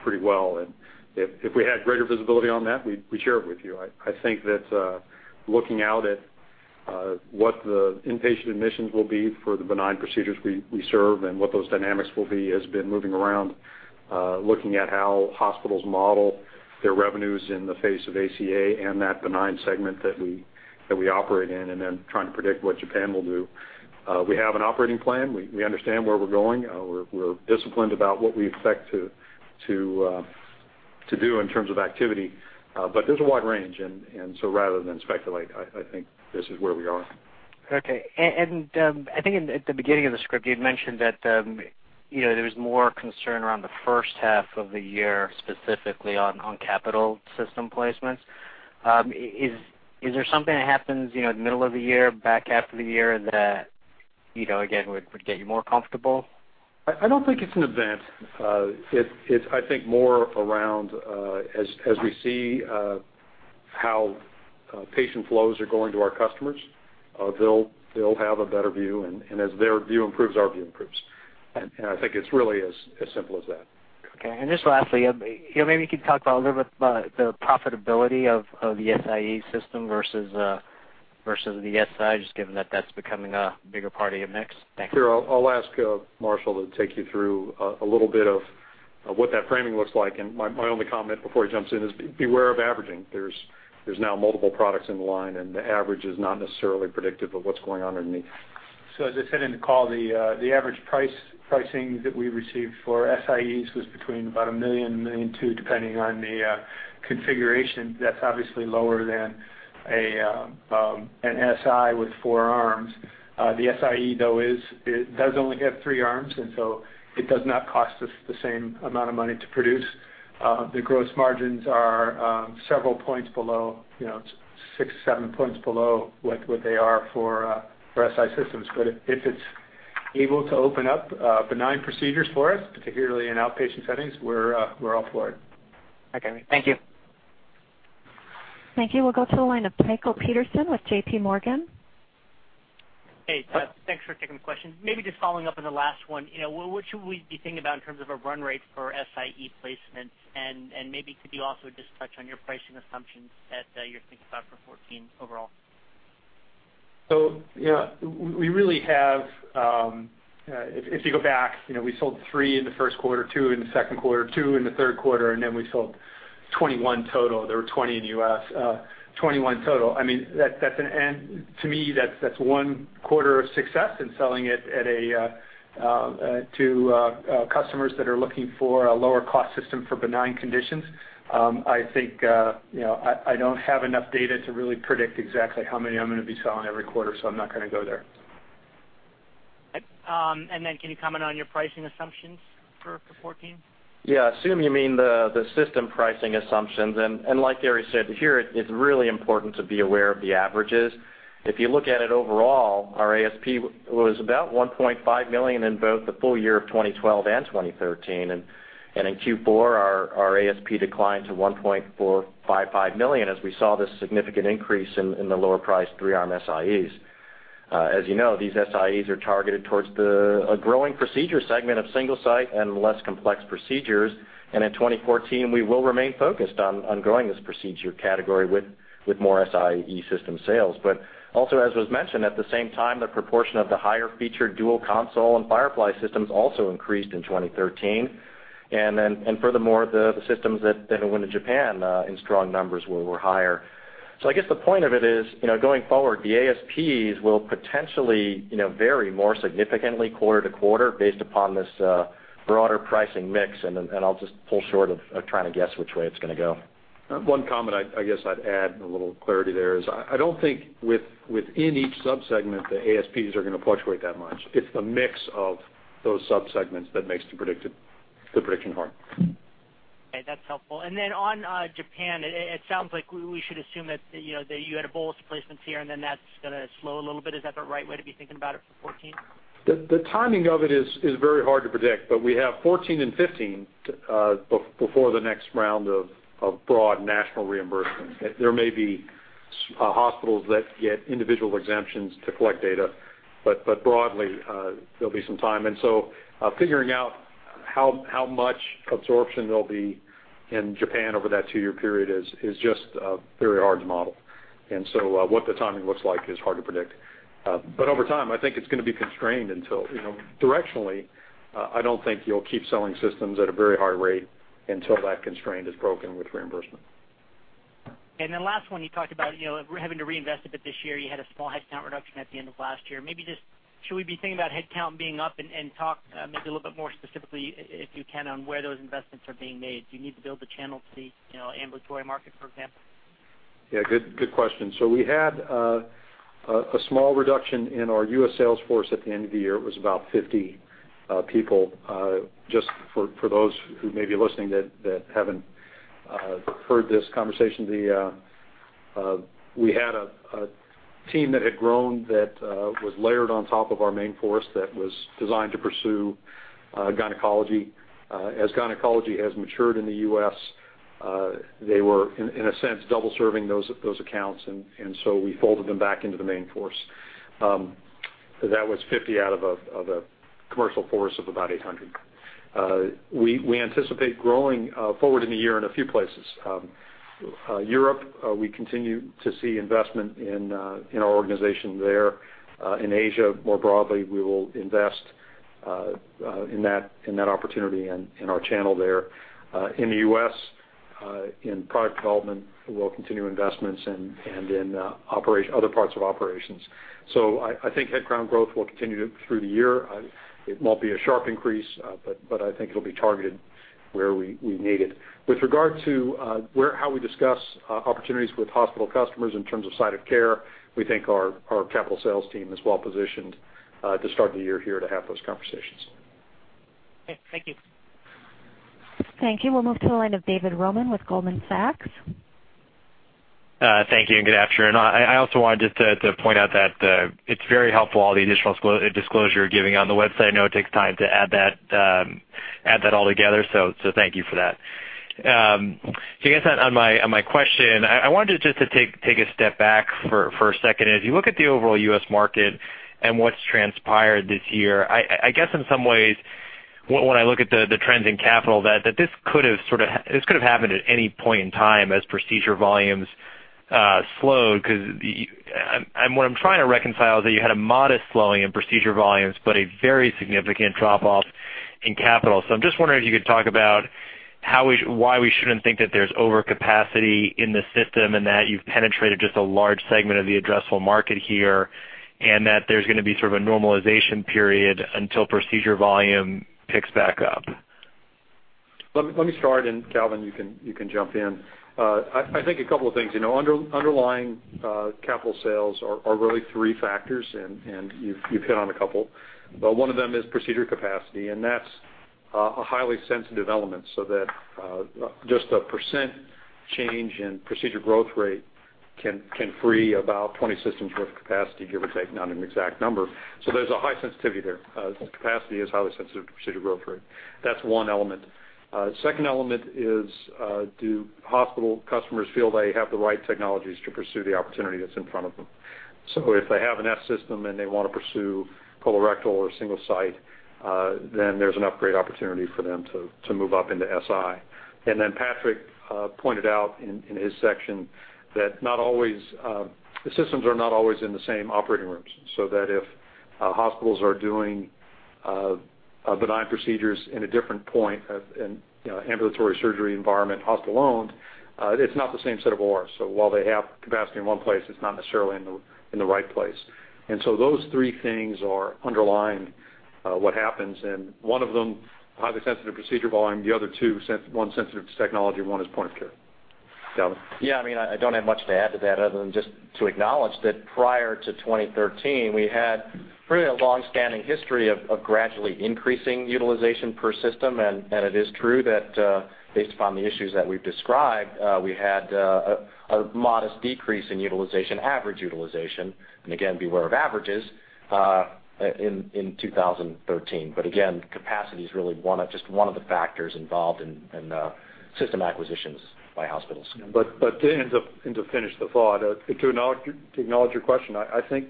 Speaker 3: pretty well, and if we had greater visibility on that, we'd share it with you. I think that looking out at what the inpatient admissions will be for the benign procedures we serve and what those dynamics will be has been moving around, looking at how hospitals model their revenues in the face of ACA and that benign segment that we operate in, and then trying to predict what Japan will do. We have an operating plan. We understand where we're going. We're disciplined about what we expect to do in terms of activity. There's a wide range, rather than speculate, I think this is where we are.
Speaker 6: Okay. I think at the beginning of the script, you had mentioned that there was more concern around the first half of the year, specifically on capital system placements. Is there something that happens in the middle of the year, back half of the year that, again, would get you more comfortable?
Speaker 3: I don't think it's an event. It's, I think, more around as we see how patient flows are going to our customers, they'll have a better view, and as their view improves, our view improves. I think it's really as simple as that.
Speaker 6: Okay. Just lastly, maybe you could talk a little bit about the profitability of the SIE system versus the SI, just given that that's becoming a bigger part of your mix. Thanks.
Speaker 3: Sure. I'll ask Marshall to take you through a little bit of what that framing looks like. My only comment before he jumps in is beware of averaging. There's now multiple products in the line, and the average is not necessarily predictive of what's going on underneath.
Speaker 4: As I said in the call, the average pricing that we received for SIEs was between about $1 million and $1.2 million, depending on the configuration. That's obviously lower than an SI with four arms. The SIE, though, does only have three arms, and so it does not cost us the same amount of money to produce. The gross margins are several points below, six, seven points below what they are for SI systems. If it's able to open up benign procedures for us, particularly in outpatient settings, we're all for it.
Speaker 6: Okay. Thank you.
Speaker 1: Thank you. We'll go to the line of Peter Peterson with J.P. Morgan.
Speaker 7: Hey, thanks for taking the question. Maybe just following up on the last one. What should we be thinking about in terms of a run rate for Si placements? Could you also just touch on your pricing assumptions that you're thinking about for 2014 overall?
Speaker 4: Yeah, we really have, if you go back, we sold three in the first quarter, two in the second quarter, two in the third quarter, then we sold 21 total. There were 20 in the U.S. 21 total. To me, that's one quarter of success in selling it to customers that are looking for a lower cost system for benign conditions. I think I don't have enough data to really predict exactly how many I'm going to be selling every quarter, so I'm not going to go there.
Speaker 7: Can you comment on your pricing assumptions for 2014?
Speaker 4: Yeah. Assume you mean the system pricing assumptions. Like Gary said, here, it's really important to be aware of the averages. If you look at it overall, our ASP was about $1.5 million in both the full year of 2012 and 2013. In Q4, our ASP declined to $1.455 million as we saw this significant increase in the lower priced three-arm SIEs. As you know, these SIEs are targeted towards a growing procedure segment of Single-Site and less complex procedures. In 2014, we will remain focused on growing this procedure category with more SIE system sales. Also, as was mentioned, at the same time, the proportion of the higher featured dual console and Firefly systems also increased in 2013. Furthermore, the systems that went to Japan in strong numbers were higher.
Speaker 7: I guess the point of it is, going forward, the ASPs will potentially vary more significantly quarter-to-quarter based upon this broader pricing mix. I'll just pull short of trying to guess which way it's going to go.
Speaker 3: One comment I'd add a little clarity there is I don't think within each sub-segment, the ASPs are going to fluctuate that much. It's the mix of those sub-segments that makes the prediction hard.
Speaker 7: That's helpful. On Japan, it sounds like we should assume that you had a bolus placements here, and that's going to slow a little bit. Is that the right way to be thinking about it for 2014?
Speaker 3: The timing of it is very hard to predict, but we have 2014 and 2015 before the next round of broad national reimbursement. There may be hospitals that get individual exemptions to collect data, but broadly, there'll be some time. Figuring out how much absorption there'll be in Japan over that two-year period is just very hard to model. What the timing looks like is hard to predict. Over time, I think it's going to be constrained until, directionally, I don't think you'll keep selling systems at a very high rate until that constraint is broken with reimbursement.
Speaker 7: Last one, you talked about having to reinvest a bit this year. You had a small headcount reduction at the end of last year. Maybe just should we be thinking about headcount being up and talk maybe a little bit more specifically, if you can, on where those investments are being made? Do you need to build the channel to the ambulatory market, for example?
Speaker 3: Yeah, good question. We had a small reduction in our U.S. sales force at the end of the year. It was about 50 people. Just for those who may be listening that haven't heard this conversation, we had a team that had grown that was layered on top of our main force that was designed to pursue gynecology. As gynecology has matured in the U.S., they were, in a sense, double serving those accounts, so we folded them back into the main force. That was 50 out of a commercial force of about 800. We anticipate growing forward in the year in a few places. Europe, we continue to see investment in our organization there. In Asia, more broadly, we will invest in that opportunity in our channel there. In the U.S., in product development, we'll continue investments and in other parts of operations. I think headcount growth will continue through the year. It won't be a sharp increase, but I think it'll be targeted where we need it. With regard to how we discuss opportunities with hospital customers in terms of site of care, we think our capital sales team is well positioned to start the year here to have those conversations.
Speaker 7: Okay, thank you.
Speaker 1: Thank you. We'll move to the line of David Roman with Goldman Sachs.
Speaker 8: Thank you and good afternoon. I also wanted just to point out that it's very helpful all the additional disclosure you're giving on the website. I know it takes time to add that all together, thank you for that. I guess on my question, I wanted just to take a step back for a second. As you look at the overall U.S. market and what's transpired this year, I guess in some ways when I look at the trends in capital, that this could have happened at any point in time as procedure volumes slowed because what I'm trying to reconcile is that you had a modest slowing in procedure volumes but a very significant drop off in capital. I'm just wondering if you could talk about why we shouldn't think that there's overcapacity in the system and that you've penetrated just a large segment of the addressable market here, and that there's going to be sort of a normalization period until procedure volume picks back up.
Speaker 3: Let me start and Calvin, you can jump in. I think a couple of things. Underlying capital sales are really 3 factors, and you've hit on a couple. One of them is procedure capacity, and that's a highly sensitive element so that just a % change in procedure growth rate can free about 20 systems worth of capacity, give or take, not an exact number. There's a high sensitivity there. Capacity is highly sensitive to procedure growth rate. That's one element. Second element is do hospital customers feel they have the right technologies to pursue the opportunity that's in front of them? If they have an S system and they want to pursue colorectal or Single-Site, there's an upgrade opportunity for them to move up into Si. Patrick pointed out in his section that the systems are not always in the same operating rooms, that if hospitals are doing benign procedures in a different point in ambulatory surgery environment, hospital owned, it's not the same set of ORs. While they have capacity in one place, it's not necessarily in the right place. Those three things are underlying what happens and one of them, highly sensitive procedure volume, the other two, one sensitive to technology, one is point of care. Calvin.
Speaker 2: I don't have much to add to that other than just to acknowledge that prior to 2013, we had really a long-standing history of gradually increasing utilization per system, and it is true that based upon the issues that we've described, we had a modest decrease in average utilization, and again, beware of averages, in 2013. Again, capacity is really just one of the factors involved in system acquisitions by hospitals.
Speaker 3: To finish the thought, to acknowledge your question, I think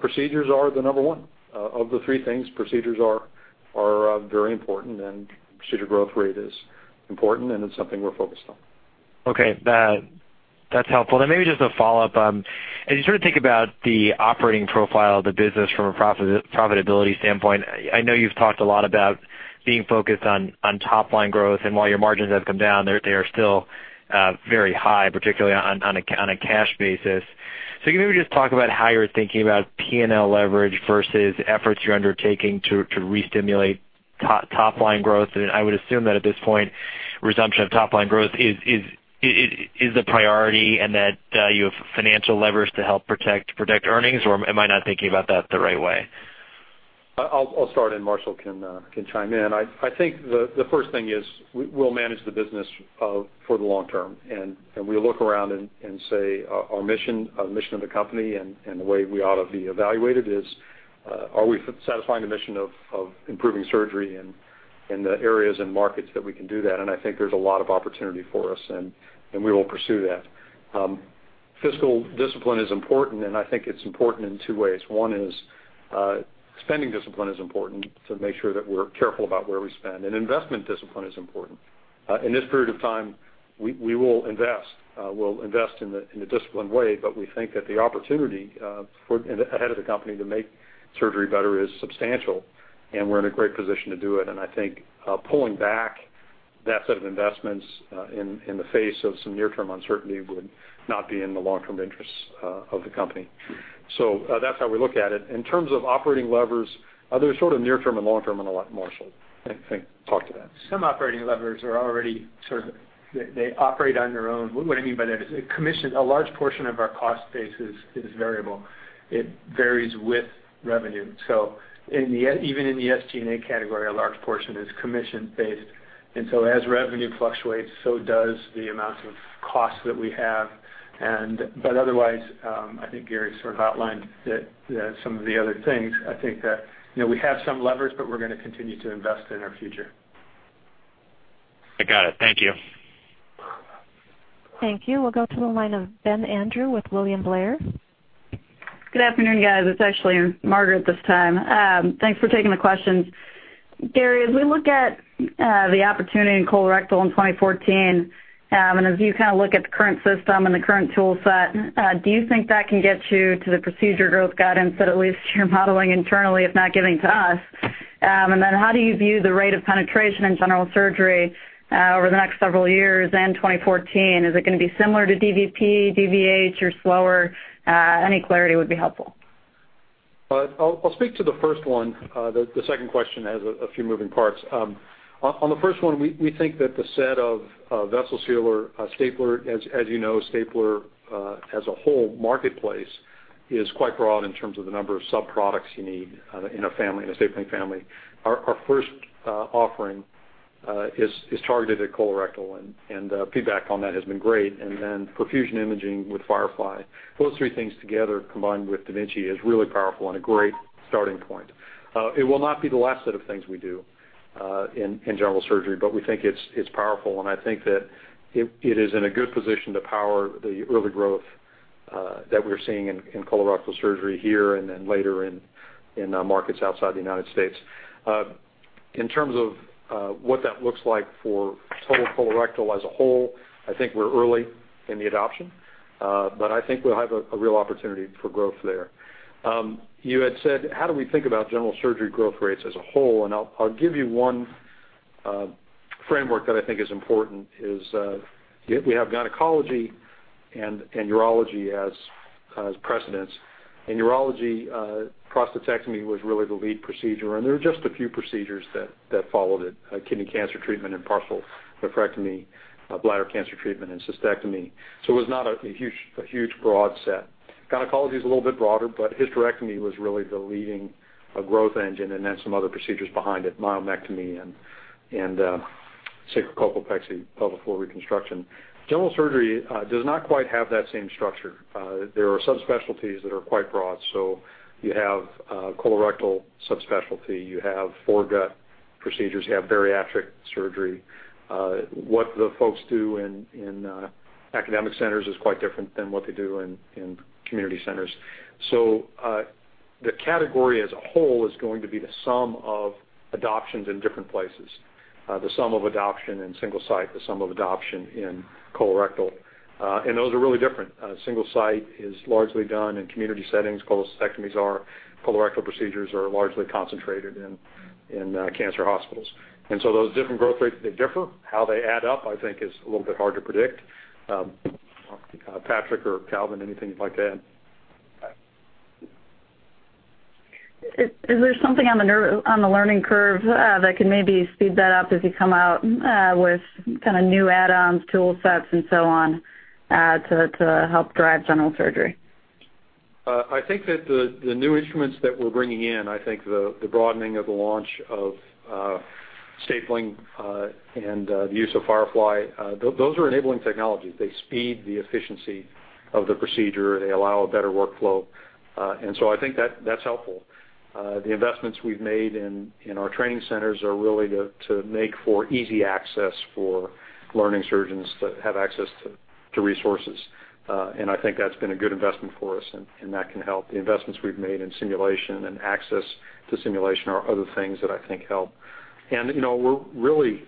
Speaker 3: procedures are the number one. Of the three things, procedures are very important and procedure growth rate is important and it's something we're focused on.
Speaker 8: Okay. That's helpful. Maybe just a follow-up. As you sort of think about the operating profile of the business from a profitability standpoint, I know you've talked a lot about being focused on top-line growth, and while your margins have come down, they are still very high, particularly on a cash basis. So can you maybe just talk about how you're thinking about P&L leverage versus efforts you're undertaking to restimulate top-line growth? I would assume that at this point, resumption of top-line growth is a priority and that you have financial levers to help protect earnings, or am I not thinking about that the right way?
Speaker 3: I'll start, Marshall can chime in. I think the first thing is we'll manage the business for the long term, we'll look around and say our mission, a mission of the company, the way we ought to be evaluated is, are we satisfying the mission of improving surgery in the areas and markets that we can do that? I think there's a lot of opportunity for us, we will pursue that. Fiscal discipline is important, I think it's important in two ways. One is spending discipline is important to make sure that we're careful about where we spend, investment discipline is important. In this period of time, we will invest. We'll invest in a disciplined way, we think that the opportunity ahead of the company to make surgery better is substantial, we're in a great position to do it. I think pulling back that set of investments in the face of some near-term uncertainty would not be in the long-term interests of the company. That's how we look at it. In terms of operating levers, there's sort of near-term, long-term, a lot, Marshall. I think talk to that.
Speaker 4: Some operating levers are already sort of, they operate on their own. What I mean by that is a commission, a large portion of our cost base is variable. It varies with revenue. Even in the SG&A category, a large portion is commission-based, as revenue fluctuates, so does the amount of cost that we have. Otherwise, I think Gary sort of outlined some of the other things. I think that we have some levers, we're going to continue to invest in our future.
Speaker 8: I got it. Thank you.
Speaker 1: Thank you. We'll go to the line of Ben Andrew with William Blair.
Speaker 9: Good afternoon, guys. It's actually Margaret this time. Thanks for taking the questions. Gary, as we look at the opportunity in colorectal in 2014, as you kind of look at the current system and the current tool set, do you think that can get you to the procedure growth guidance that at least you're modeling internally, if not giving to us? Then how do you view the rate of penetration in general surgery over the next several years and 2014? Is it going to be similar to DVP, DVH, or slower? Any clarity would be helpful.
Speaker 3: I'll speak to the first one. The second question has a few moving parts. On the first one, we think that the set of Vessel Sealer stapler, as you know, stapler as a whole marketplace, is quite broad in terms of the number of sub-products you need in a family, in a stapling family. Our first offering is targeted at colorectal, and feedback on that has been great, and then perfusion imaging with Firefly. Those three things together, combined with da Vinci, is really powerful and a great starting point. It will not be the last set of things we do in general surgery, but we think it's powerful, and I think that it is in a good position to power the early growth that we're seeing in colorectal surgery here and then later in markets outside the U.S. In terms of what that looks like for total colorectal as a whole, I think we're early in the adoption, but I think we'll have a real opportunity for growth there. You had said, how do we think about general surgery growth rates as a whole? I'll give you one framework that I think is important is, we have gynecology and urology as precedents. In urology, prostatectomy was really the lead procedure, and there were just a few procedures that followed it, kidney cancer treatment and partial nephrectomy, bladder cancer treatment, and cystectomy. It was not a huge broad set. Gynecology is a little bit broader, but hysterectomy was really the leading growth engine and then some other procedures behind it, myomectomy and sacrocolpopexy, pelvic floor reconstruction. General surgery does not quite have that same structure. There are subspecialties that are quite broad. You have colorectal subspecialty. You have foregut procedures. You have bariatric surgery. What the folks do in academic centers is quite different than what they do in community centers. The category as a whole is going to be the sum of adoptions in different places, the sum of adoption in Single-Site, the sum of adoption in colorectal. Those are really different. Single-Site is largely done in community settings. colectomies are, colorectal procedures are largely concentrated in cancer hospitals. Those different growth rates, they differ. How they add up, I think, is a little bit hard to predict. Patrick or Calvin, anything you'd like to add?
Speaker 9: Is there something on the learning curve that can maybe speed that up as you come out with kind of new add-ons, tool sets, and so on to help drive general surgery?
Speaker 3: I think that the new instruments that we're bringing in, I think the broadening of the launch of stapling and the use of Firefly, those are enabling technologies. They speed the efficiency of the procedure. They allow a better workflow. I think that's helpful. The investments we've made in our training centers are really to make for easy access for learning surgeons to have access to resources. I think that's been a good investment for us, and that can help. The investments we've made in simulation and access to simulation are other things that I think help. We're really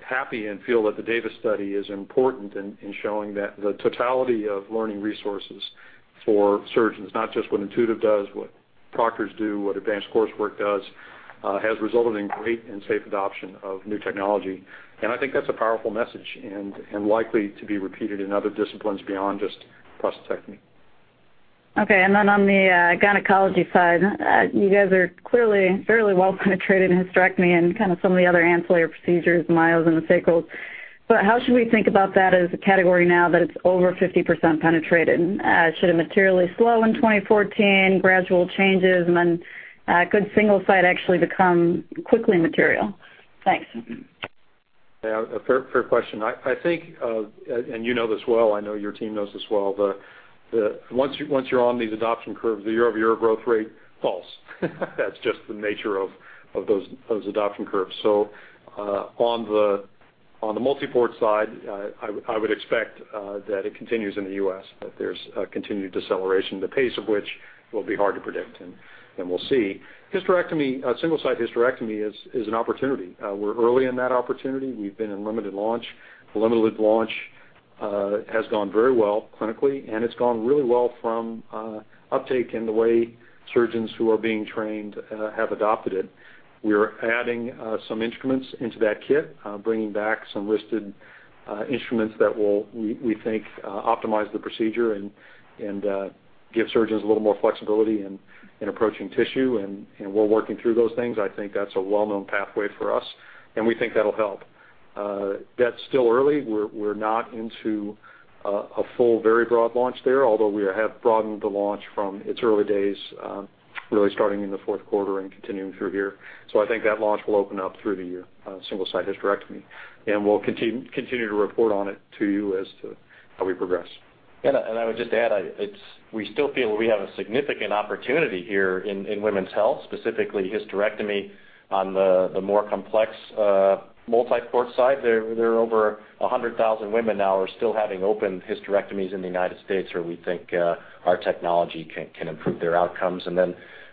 Speaker 3: happy and feel that the data study is important in showing that the totality of learning resources for surgeons, not just what Intuitive does, what proctors do, what advanced coursework does, has resulted in great and safe adoption of new technology. I think that's a powerful message and likely to be repeated in other disciplines beyond just prostatectomy.
Speaker 9: Okay, on the gynecology side, you guys are clearly fairly well penetrated in hysterectomy and some of the other ancillary procedures, myomas and the myectomies. How should we think about that as a category now that it's over 50% penetrated? Should it materially slow in 2014, gradual changes, could Single-Site actually become quickly material? Thanks.
Speaker 3: Yeah, a fair question. I think, you know this well, I know your team knows this well, once you're on these adoption curves, the year-over-year growth rate falls. That's just the nature of those adoption curves. On the multi-port side, I would expect that it continues in the U.S., that there's a continued deceleration, the pace of which will be hard to predict, and we'll see. Hysterectomy, Single-Site hysterectomy is an opportunity. We're early in that opportunity. We've been in limited launch. The limited launch has gone very well clinically, it's gone really well from uptake in the way surgeons who are being trained have adopted it. We're adding some instruments into that kit, bringing back some listed instruments that we think optimize the procedure and give surgeons a little more flexibility in approaching tissue, we're working through those things. I think that's a well-known pathway for us, we think that'll help. That's still early. We're not into a full, very broad launch there, although we have broadened the launch from its early days, really starting in the fourth quarter and continuing through here. I think that launch will open up through the year on Single-Site hysterectomy, we'll continue to report on it to you as to how we progress.
Speaker 2: I would just add, we still feel we have a significant opportunity here in women's health, specifically hysterectomy on the more complex multi-port side. There are over 100,000 women now who are still having open hysterectomies in the U.S. where we think our technology can improve their outcomes.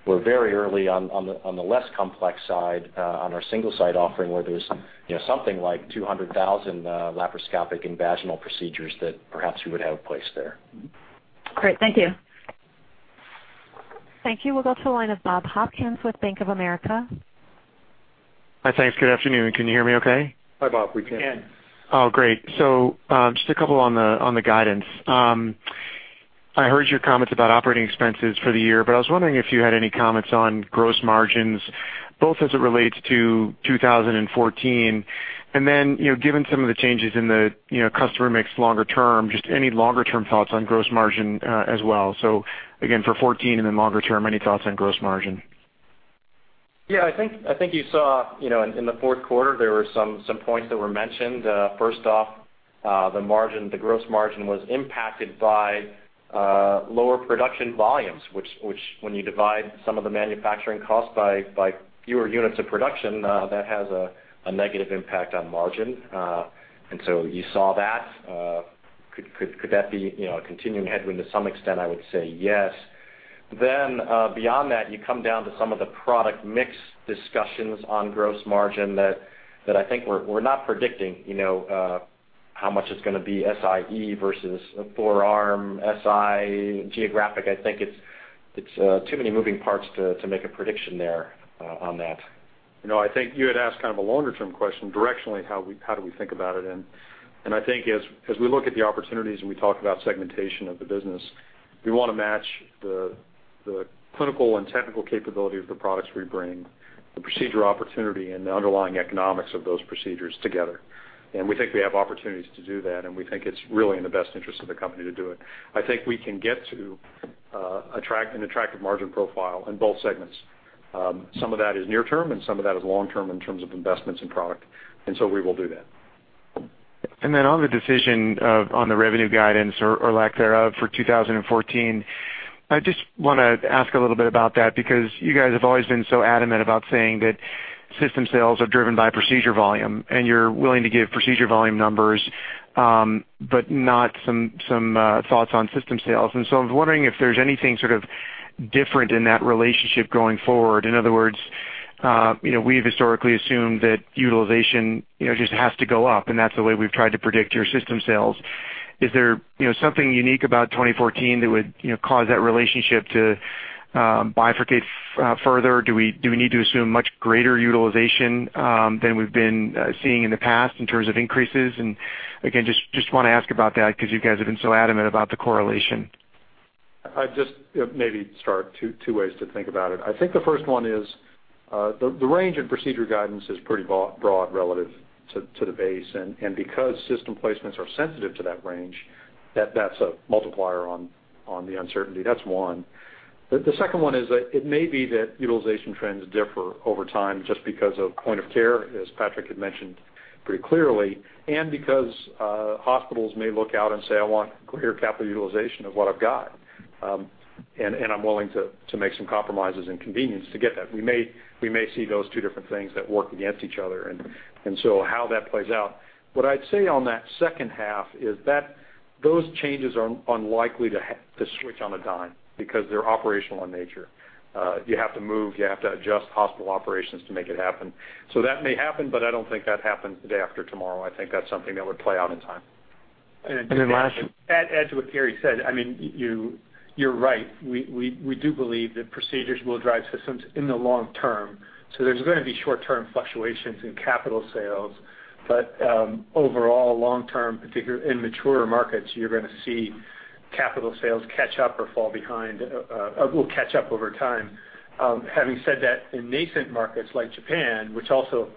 Speaker 2: We're very early on the less complex side, on our Single-Site offering, where there's something like 200,000 laparoscopic and vaginal procedures that perhaps we would have a place there.
Speaker 9: Great. Thank you.
Speaker 1: Thank you. We'll go to the line of Bob Hopkins with Bank of America.
Speaker 10: Hi, thanks. Good afternoon. Can you hear me okay?
Speaker 3: Hi, Bob. We can.
Speaker 2: We can.
Speaker 10: Great. Just a couple on the guidance. I heard your comments about operating expenses for the year, but I was wondering if you had any comments on gross margins, both as it relates to 2014, and then, given some of the changes in the customer mix longer term, just any longer-term thoughts on gross margin as well. Again, for 2014 and then longer term, any thoughts on gross margin?
Speaker 2: Yeah, I think you saw in the fourth quarter, there were some points that were mentioned. First off, the gross margin was impacted by lower production volumes, which when you divide some of the manufacturing costs by fewer units of production, that has a negative impact on margin. So you saw that. Could that be a continuing headwind to some extent? I would say yes. Beyond that, you come down to some of the product mix discussions on gross margin that I think we're not predicting how much it's going to be Si versus a four-arm Si geographic. I think it's too many moving parts to make a prediction there on that.
Speaker 3: I think you had asked kind of a longer-term question, directionally, how do we think about it? I think as we look at the opportunities and we talk about segmentation of the business, we want to match the clinical and technical capability of the products we bring, the procedure opportunity, and the underlying economics of those procedures together. We think we have opportunities to do that, and we think it's really in the best interest of the company to do it. I think we can get to an attractive margin profile in both segments. Some of that is near term, and some of that is long term in terms of investments in product, so we will do that.
Speaker 10: On the decision on the revenue guidance or lack thereof for 2014, I just want to ask a little bit about that because you guys have always been so adamant about saying that system sales are driven by procedure volume, and you're willing to give procedure volume numbers, but not some thoughts on system sales. I was wondering if there's anything sort of different in that relationship going forward. In other words, we've historically assumed that utilization just has to go up, and that's the way we've tried to predict your system sales. Is there something unique about 2014 that would cause that relationship to bifurcate further? Do we need to assume much greater utilization than we've been seeing in the past in terms of increases? Again, just want to ask about that because you guys have been so adamant about the correlation.
Speaker 3: I'd just maybe start two ways to think about it. I think the first one is the range of procedure guidance is pretty broad relative to the base. Because system placements are sensitive to that range, that's a multiplier on the uncertainty. That's one. The second one is that it may be that utilization trends differ over time just because of point of care, as Patrick had mentioned pretty clearly, and because hospitals may look out and say, "I want greater capital utilization of what I've got, and I'm willing to make some compromises in convenience to get that." We may see those two different things that work against each other. How that plays out. What I'd say on that second half is that those changes are unlikely to switch on a dime because they're operational in nature. You have to move, you have to adjust hospital operations to make it happen. That may happen, but I don't think that happens the day after tomorrow. I think that's something that would play out in time.
Speaker 4: To add to what Gary said, you're right. We do believe that procedures will drive systems in the long term. There's going to be short-term fluctuations in capital sales, but overall long-term, particularly in maturer markets, you're going to see capital sales catch up or fall behind, or will catch up over time. Having said that, in nascent markets like Japan, which also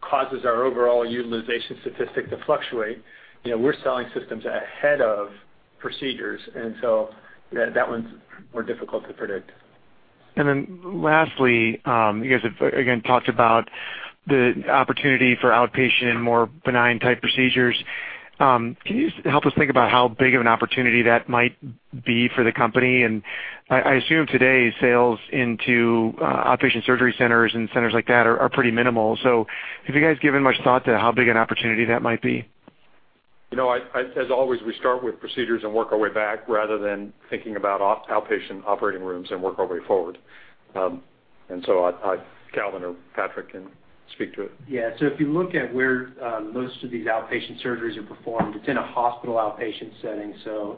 Speaker 4: causes our overall utilization statistic to fluctuate, we're selling systems ahead of procedures, that one's more difficult to predict.
Speaker 10: Lastly, you guys have, again, talked about the opportunity for outpatient, more benign type procedures. Can you help us think about how big of an opportunity that might be for the company? I assume today sales into outpatient surgery centers and centers like that are pretty minimal. Have you guys given much thought to how big an opportunity that might be?
Speaker 3: As always, we start with procedures and work our way back rather than thinking about outpatient operating rooms and work our way forward. Calvin or Patrick can speak to it.
Speaker 2: Yeah. If you look at where most of these outpatient surgeries are performed, it's in a hospital outpatient setting,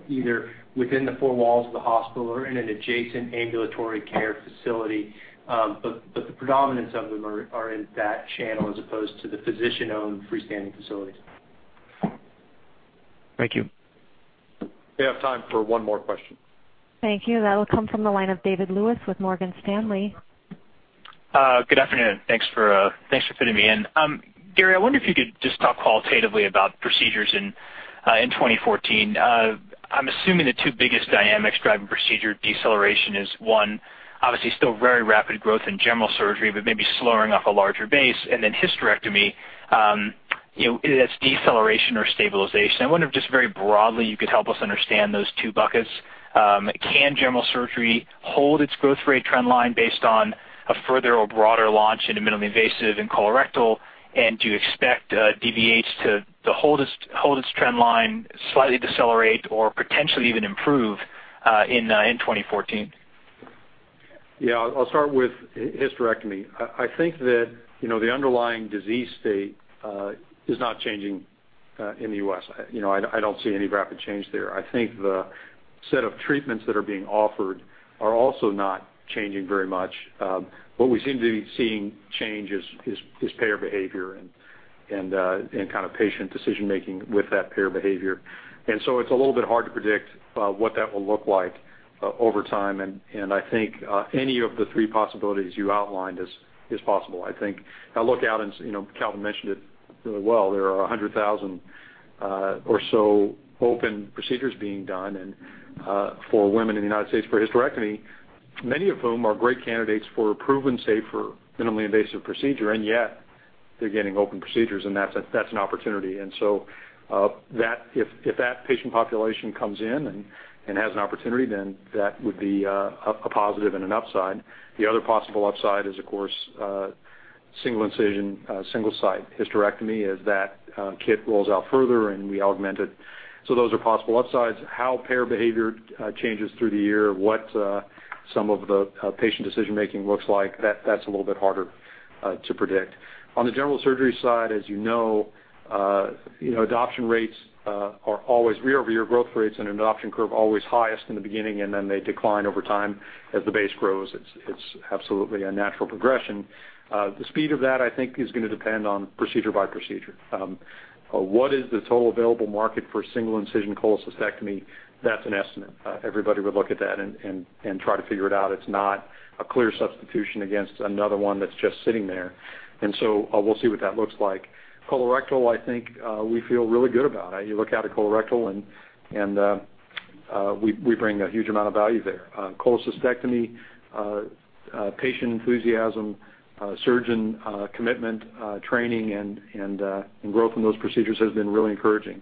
Speaker 2: either within the four walls of the hospital or in an adjacent ambulatory care facility. The predominance of them are in that channel as opposed to the physician-owned freestanding facilities.
Speaker 10: Thank you.
Speaker 3: We have time for one more question.
Speaker 1: Thank you. That'll come from the line of David Lewis with Morgan Stanley.
Speaker 11: Good afternoon. Thanks for fitting me in. Gary, I wonder if you could just talk qualitatively about procedures in 2014. I'm assuming the two biggest dynamics driving procedure deceleration is one, obviously still very rapid growth in general surgery, but maybe slowing off a larger base, and then hysterectomy, that's deceleration or stabilization. I wonder if just very broadly, you could help us understand those two buckets. Can general surgery hold its growth rate trend line based on a further or broader launch into minimally invasive and colorectal? Do you expect DVH to hold its trend line, slightly decelerate, or potentially even improve in 2014?
Speaker 3: I'll start with hysterectomy. I think that the underlying disease state is not changing in the U.S. I don't see any rapid change there. I think the set of treatments that are being offered are also not changing very much. What we seem to be seeing change is payer behavior and kind of patient decision-making with that payer behavior. It's a little bit hard to predict what that will look like over time, and I think any of the three possibilities you outlined is possible. I think I look out and Calvin mentioned it really well, there are 100,000 or so open procedures being done for women in the United States for hysterectomy, many of whom are great candidates for a proven safer, minimally invasive procedure, and yet they're getting open procedures, and that's an opportunity. If that patient population comes in and has an opportunity, then that would be a positive and an upside. The other possible upside is, of course, single incision, Single-Site hysterectomy as that kit rolls out further and we augment it. Those are possible upsides. How payer behavior changes through the year, what some of the patient decision-making looks like, that's a little bit harder to predict. On the general surgery side, as you know, adoption rates are always year-over-year growth rates and an adoption curve always highest in the beginning, and then they decline over time as the base grows. It's absolutely a natural progression. The speed of that, I think, is going to depend on procedure by procedure. What is the total available market for single incision cholecystectomy? That's an estimate. Everybody would look at that and try to figure it out. It's not a clear substitution against another one that's just sitting there. We'll see what that looks like. Colorectal, I think we feel really good about. You look out at colorectal and we bring a huge amount of value there. Cholecystectomy, patient enthusiasm, surgeon commitment, training, and growth in those procedures has been really encouraging.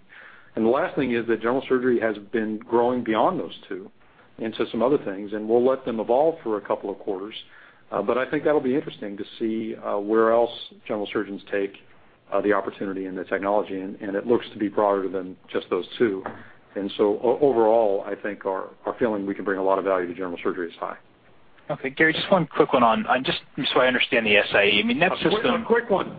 Speaker 3: The last thing is that general surgery has been growing beyond those two into some other things, and we'll let them evolve for a couple of quarters. I think that'll be interesting to see where else general surgeons take the opportunity and the technology, and it looks to be broader than just those two. Overall, I think our feeling we can bring a lot of value to general surgery is high.
Speaker 11: Okay, Gary, just one quick one on, just so I understand the Si. I mean, that system-
Speaker 3: A quick one.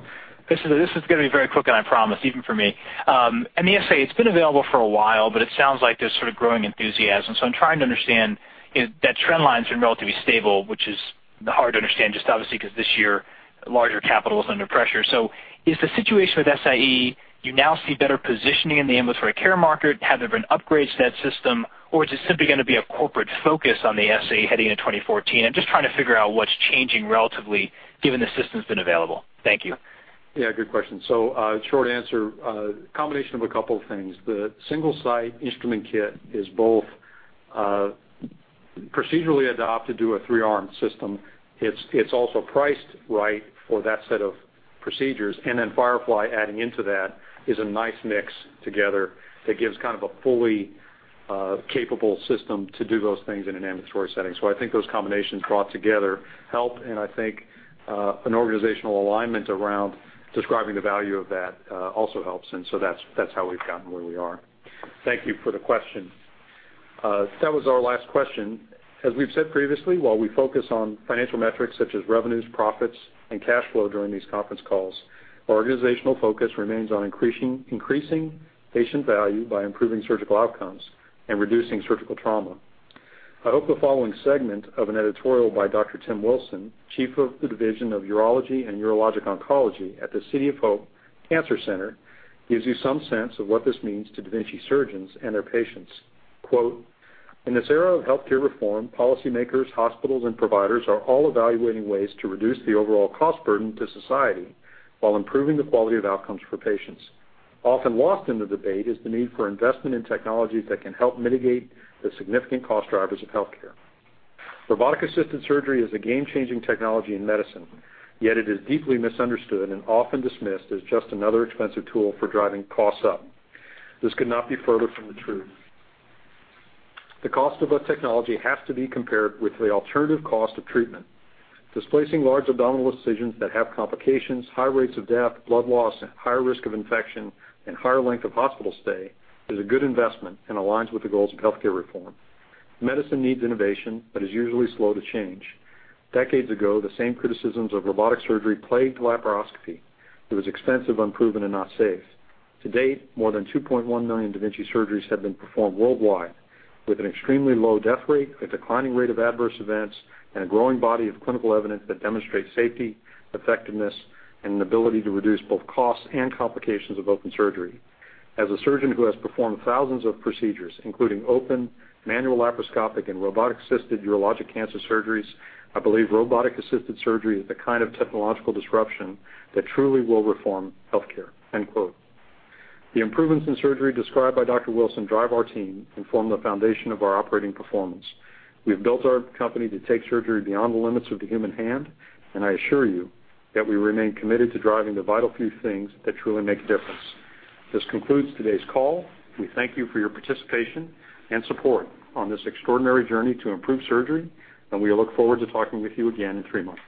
Speaker 11: This is going to be very quick, I promise, even for me. The Si, it's been available for a while, but it sounds like there's sort of growing enthusiasm. I'm trying to understand if that trend line's been relatively stable, which is hard to understand just obviously because this year, larger capital is under pressure. Is the situation with Si, you now see better positioning in the ambulatory care market? Have there been upgrades to that system, or is it simply going to be a corporate focus on the Si heading into 2014? I'm just trying to figure out what's changing relatively given the system's been available. Thank you.
Speaker 3: Yeah, good question. Short answer, combination of a couple of things. The Single-Site instrument kit is both procedurally adopted to a three-arm system. It's also priced right for that set of procedures. Firefly adding into that is a nice mix together that gives kind of a fully capable system to do those things in an ambulatory setting. I think those combinations brought together help, and I think an organizational alignment around describing the value of that also helps. That's how we've gotten where we are. Thank you for the question. That was our last question. As we've said previously, while we focus on financial metrics such as revenues, profits, and cash flow during these conference calls, our organizational focus remains on increasing patient value by improving surgical outcomes and reducing surgical trauma. I hope the following segment of an editorial by Dr. Tim Wilson, Chief of the Division of Urology and Urologic Oncology at the City of Hope Cancer Center, gives you some sense of what this means to da Vinci surgeons and their patients. Quote, "In this era of healthcare reform, policymakers, hospitals, and providers are all evaluating ways to reduce the overall cost burden to society while improving the quality of outcomes for patients. Often lost in the debate is the need for investment in technologies that can help mitigate the significant cost drivers of healthcare. Robotic-assisted surgery is a game-changing technology in medicine, yet it is deeply misunderstood and often dismissed as just another expensive tool for driving costs up. This could not be further from the truth. The cost of a technology has to be compared with the alternative cost of treatment. Displacing large abdominal incisions that have complications, high rates of death, blood loss, and higher risk of infection, and higher length of hospital stay is a good investment and aligns with the goals of healthcare reform. Medicine needs innovation but is usually slow to change. Decades ago, the same criticisms of robotic surgery plagued laparoscopy. It was expensive, unproven, and not safe. To date, more than 2.1 million da Vinci surgeries have been performed worldwide, with an extremely low death rate, a declining rate of adverse events, and a growing body of clinical evidence that demonstrates safety, effectiveness, and an ability to reduce both costs and complications of open surgery. As a surgeon who has performed thousands of procedures, including open, manual laparoscopic, and robotic-assisted urologic cancer surgeries, I believe robotic-assisted surgery is the kind of technological disruption that truly will reform healthcare." End quote. The improvements in surgery described by Dr. Wilson drive our team and form the foundation of our operating performance. We've built our company to take surgery beyond the limits of the human hand, and I assure you that we remain committed to driving the vital few things that truly make a difference. This concludes today's call. We thank you for your participation and support on this extraordinary journey to improve surgery, and we look forward to talking with you again in three months.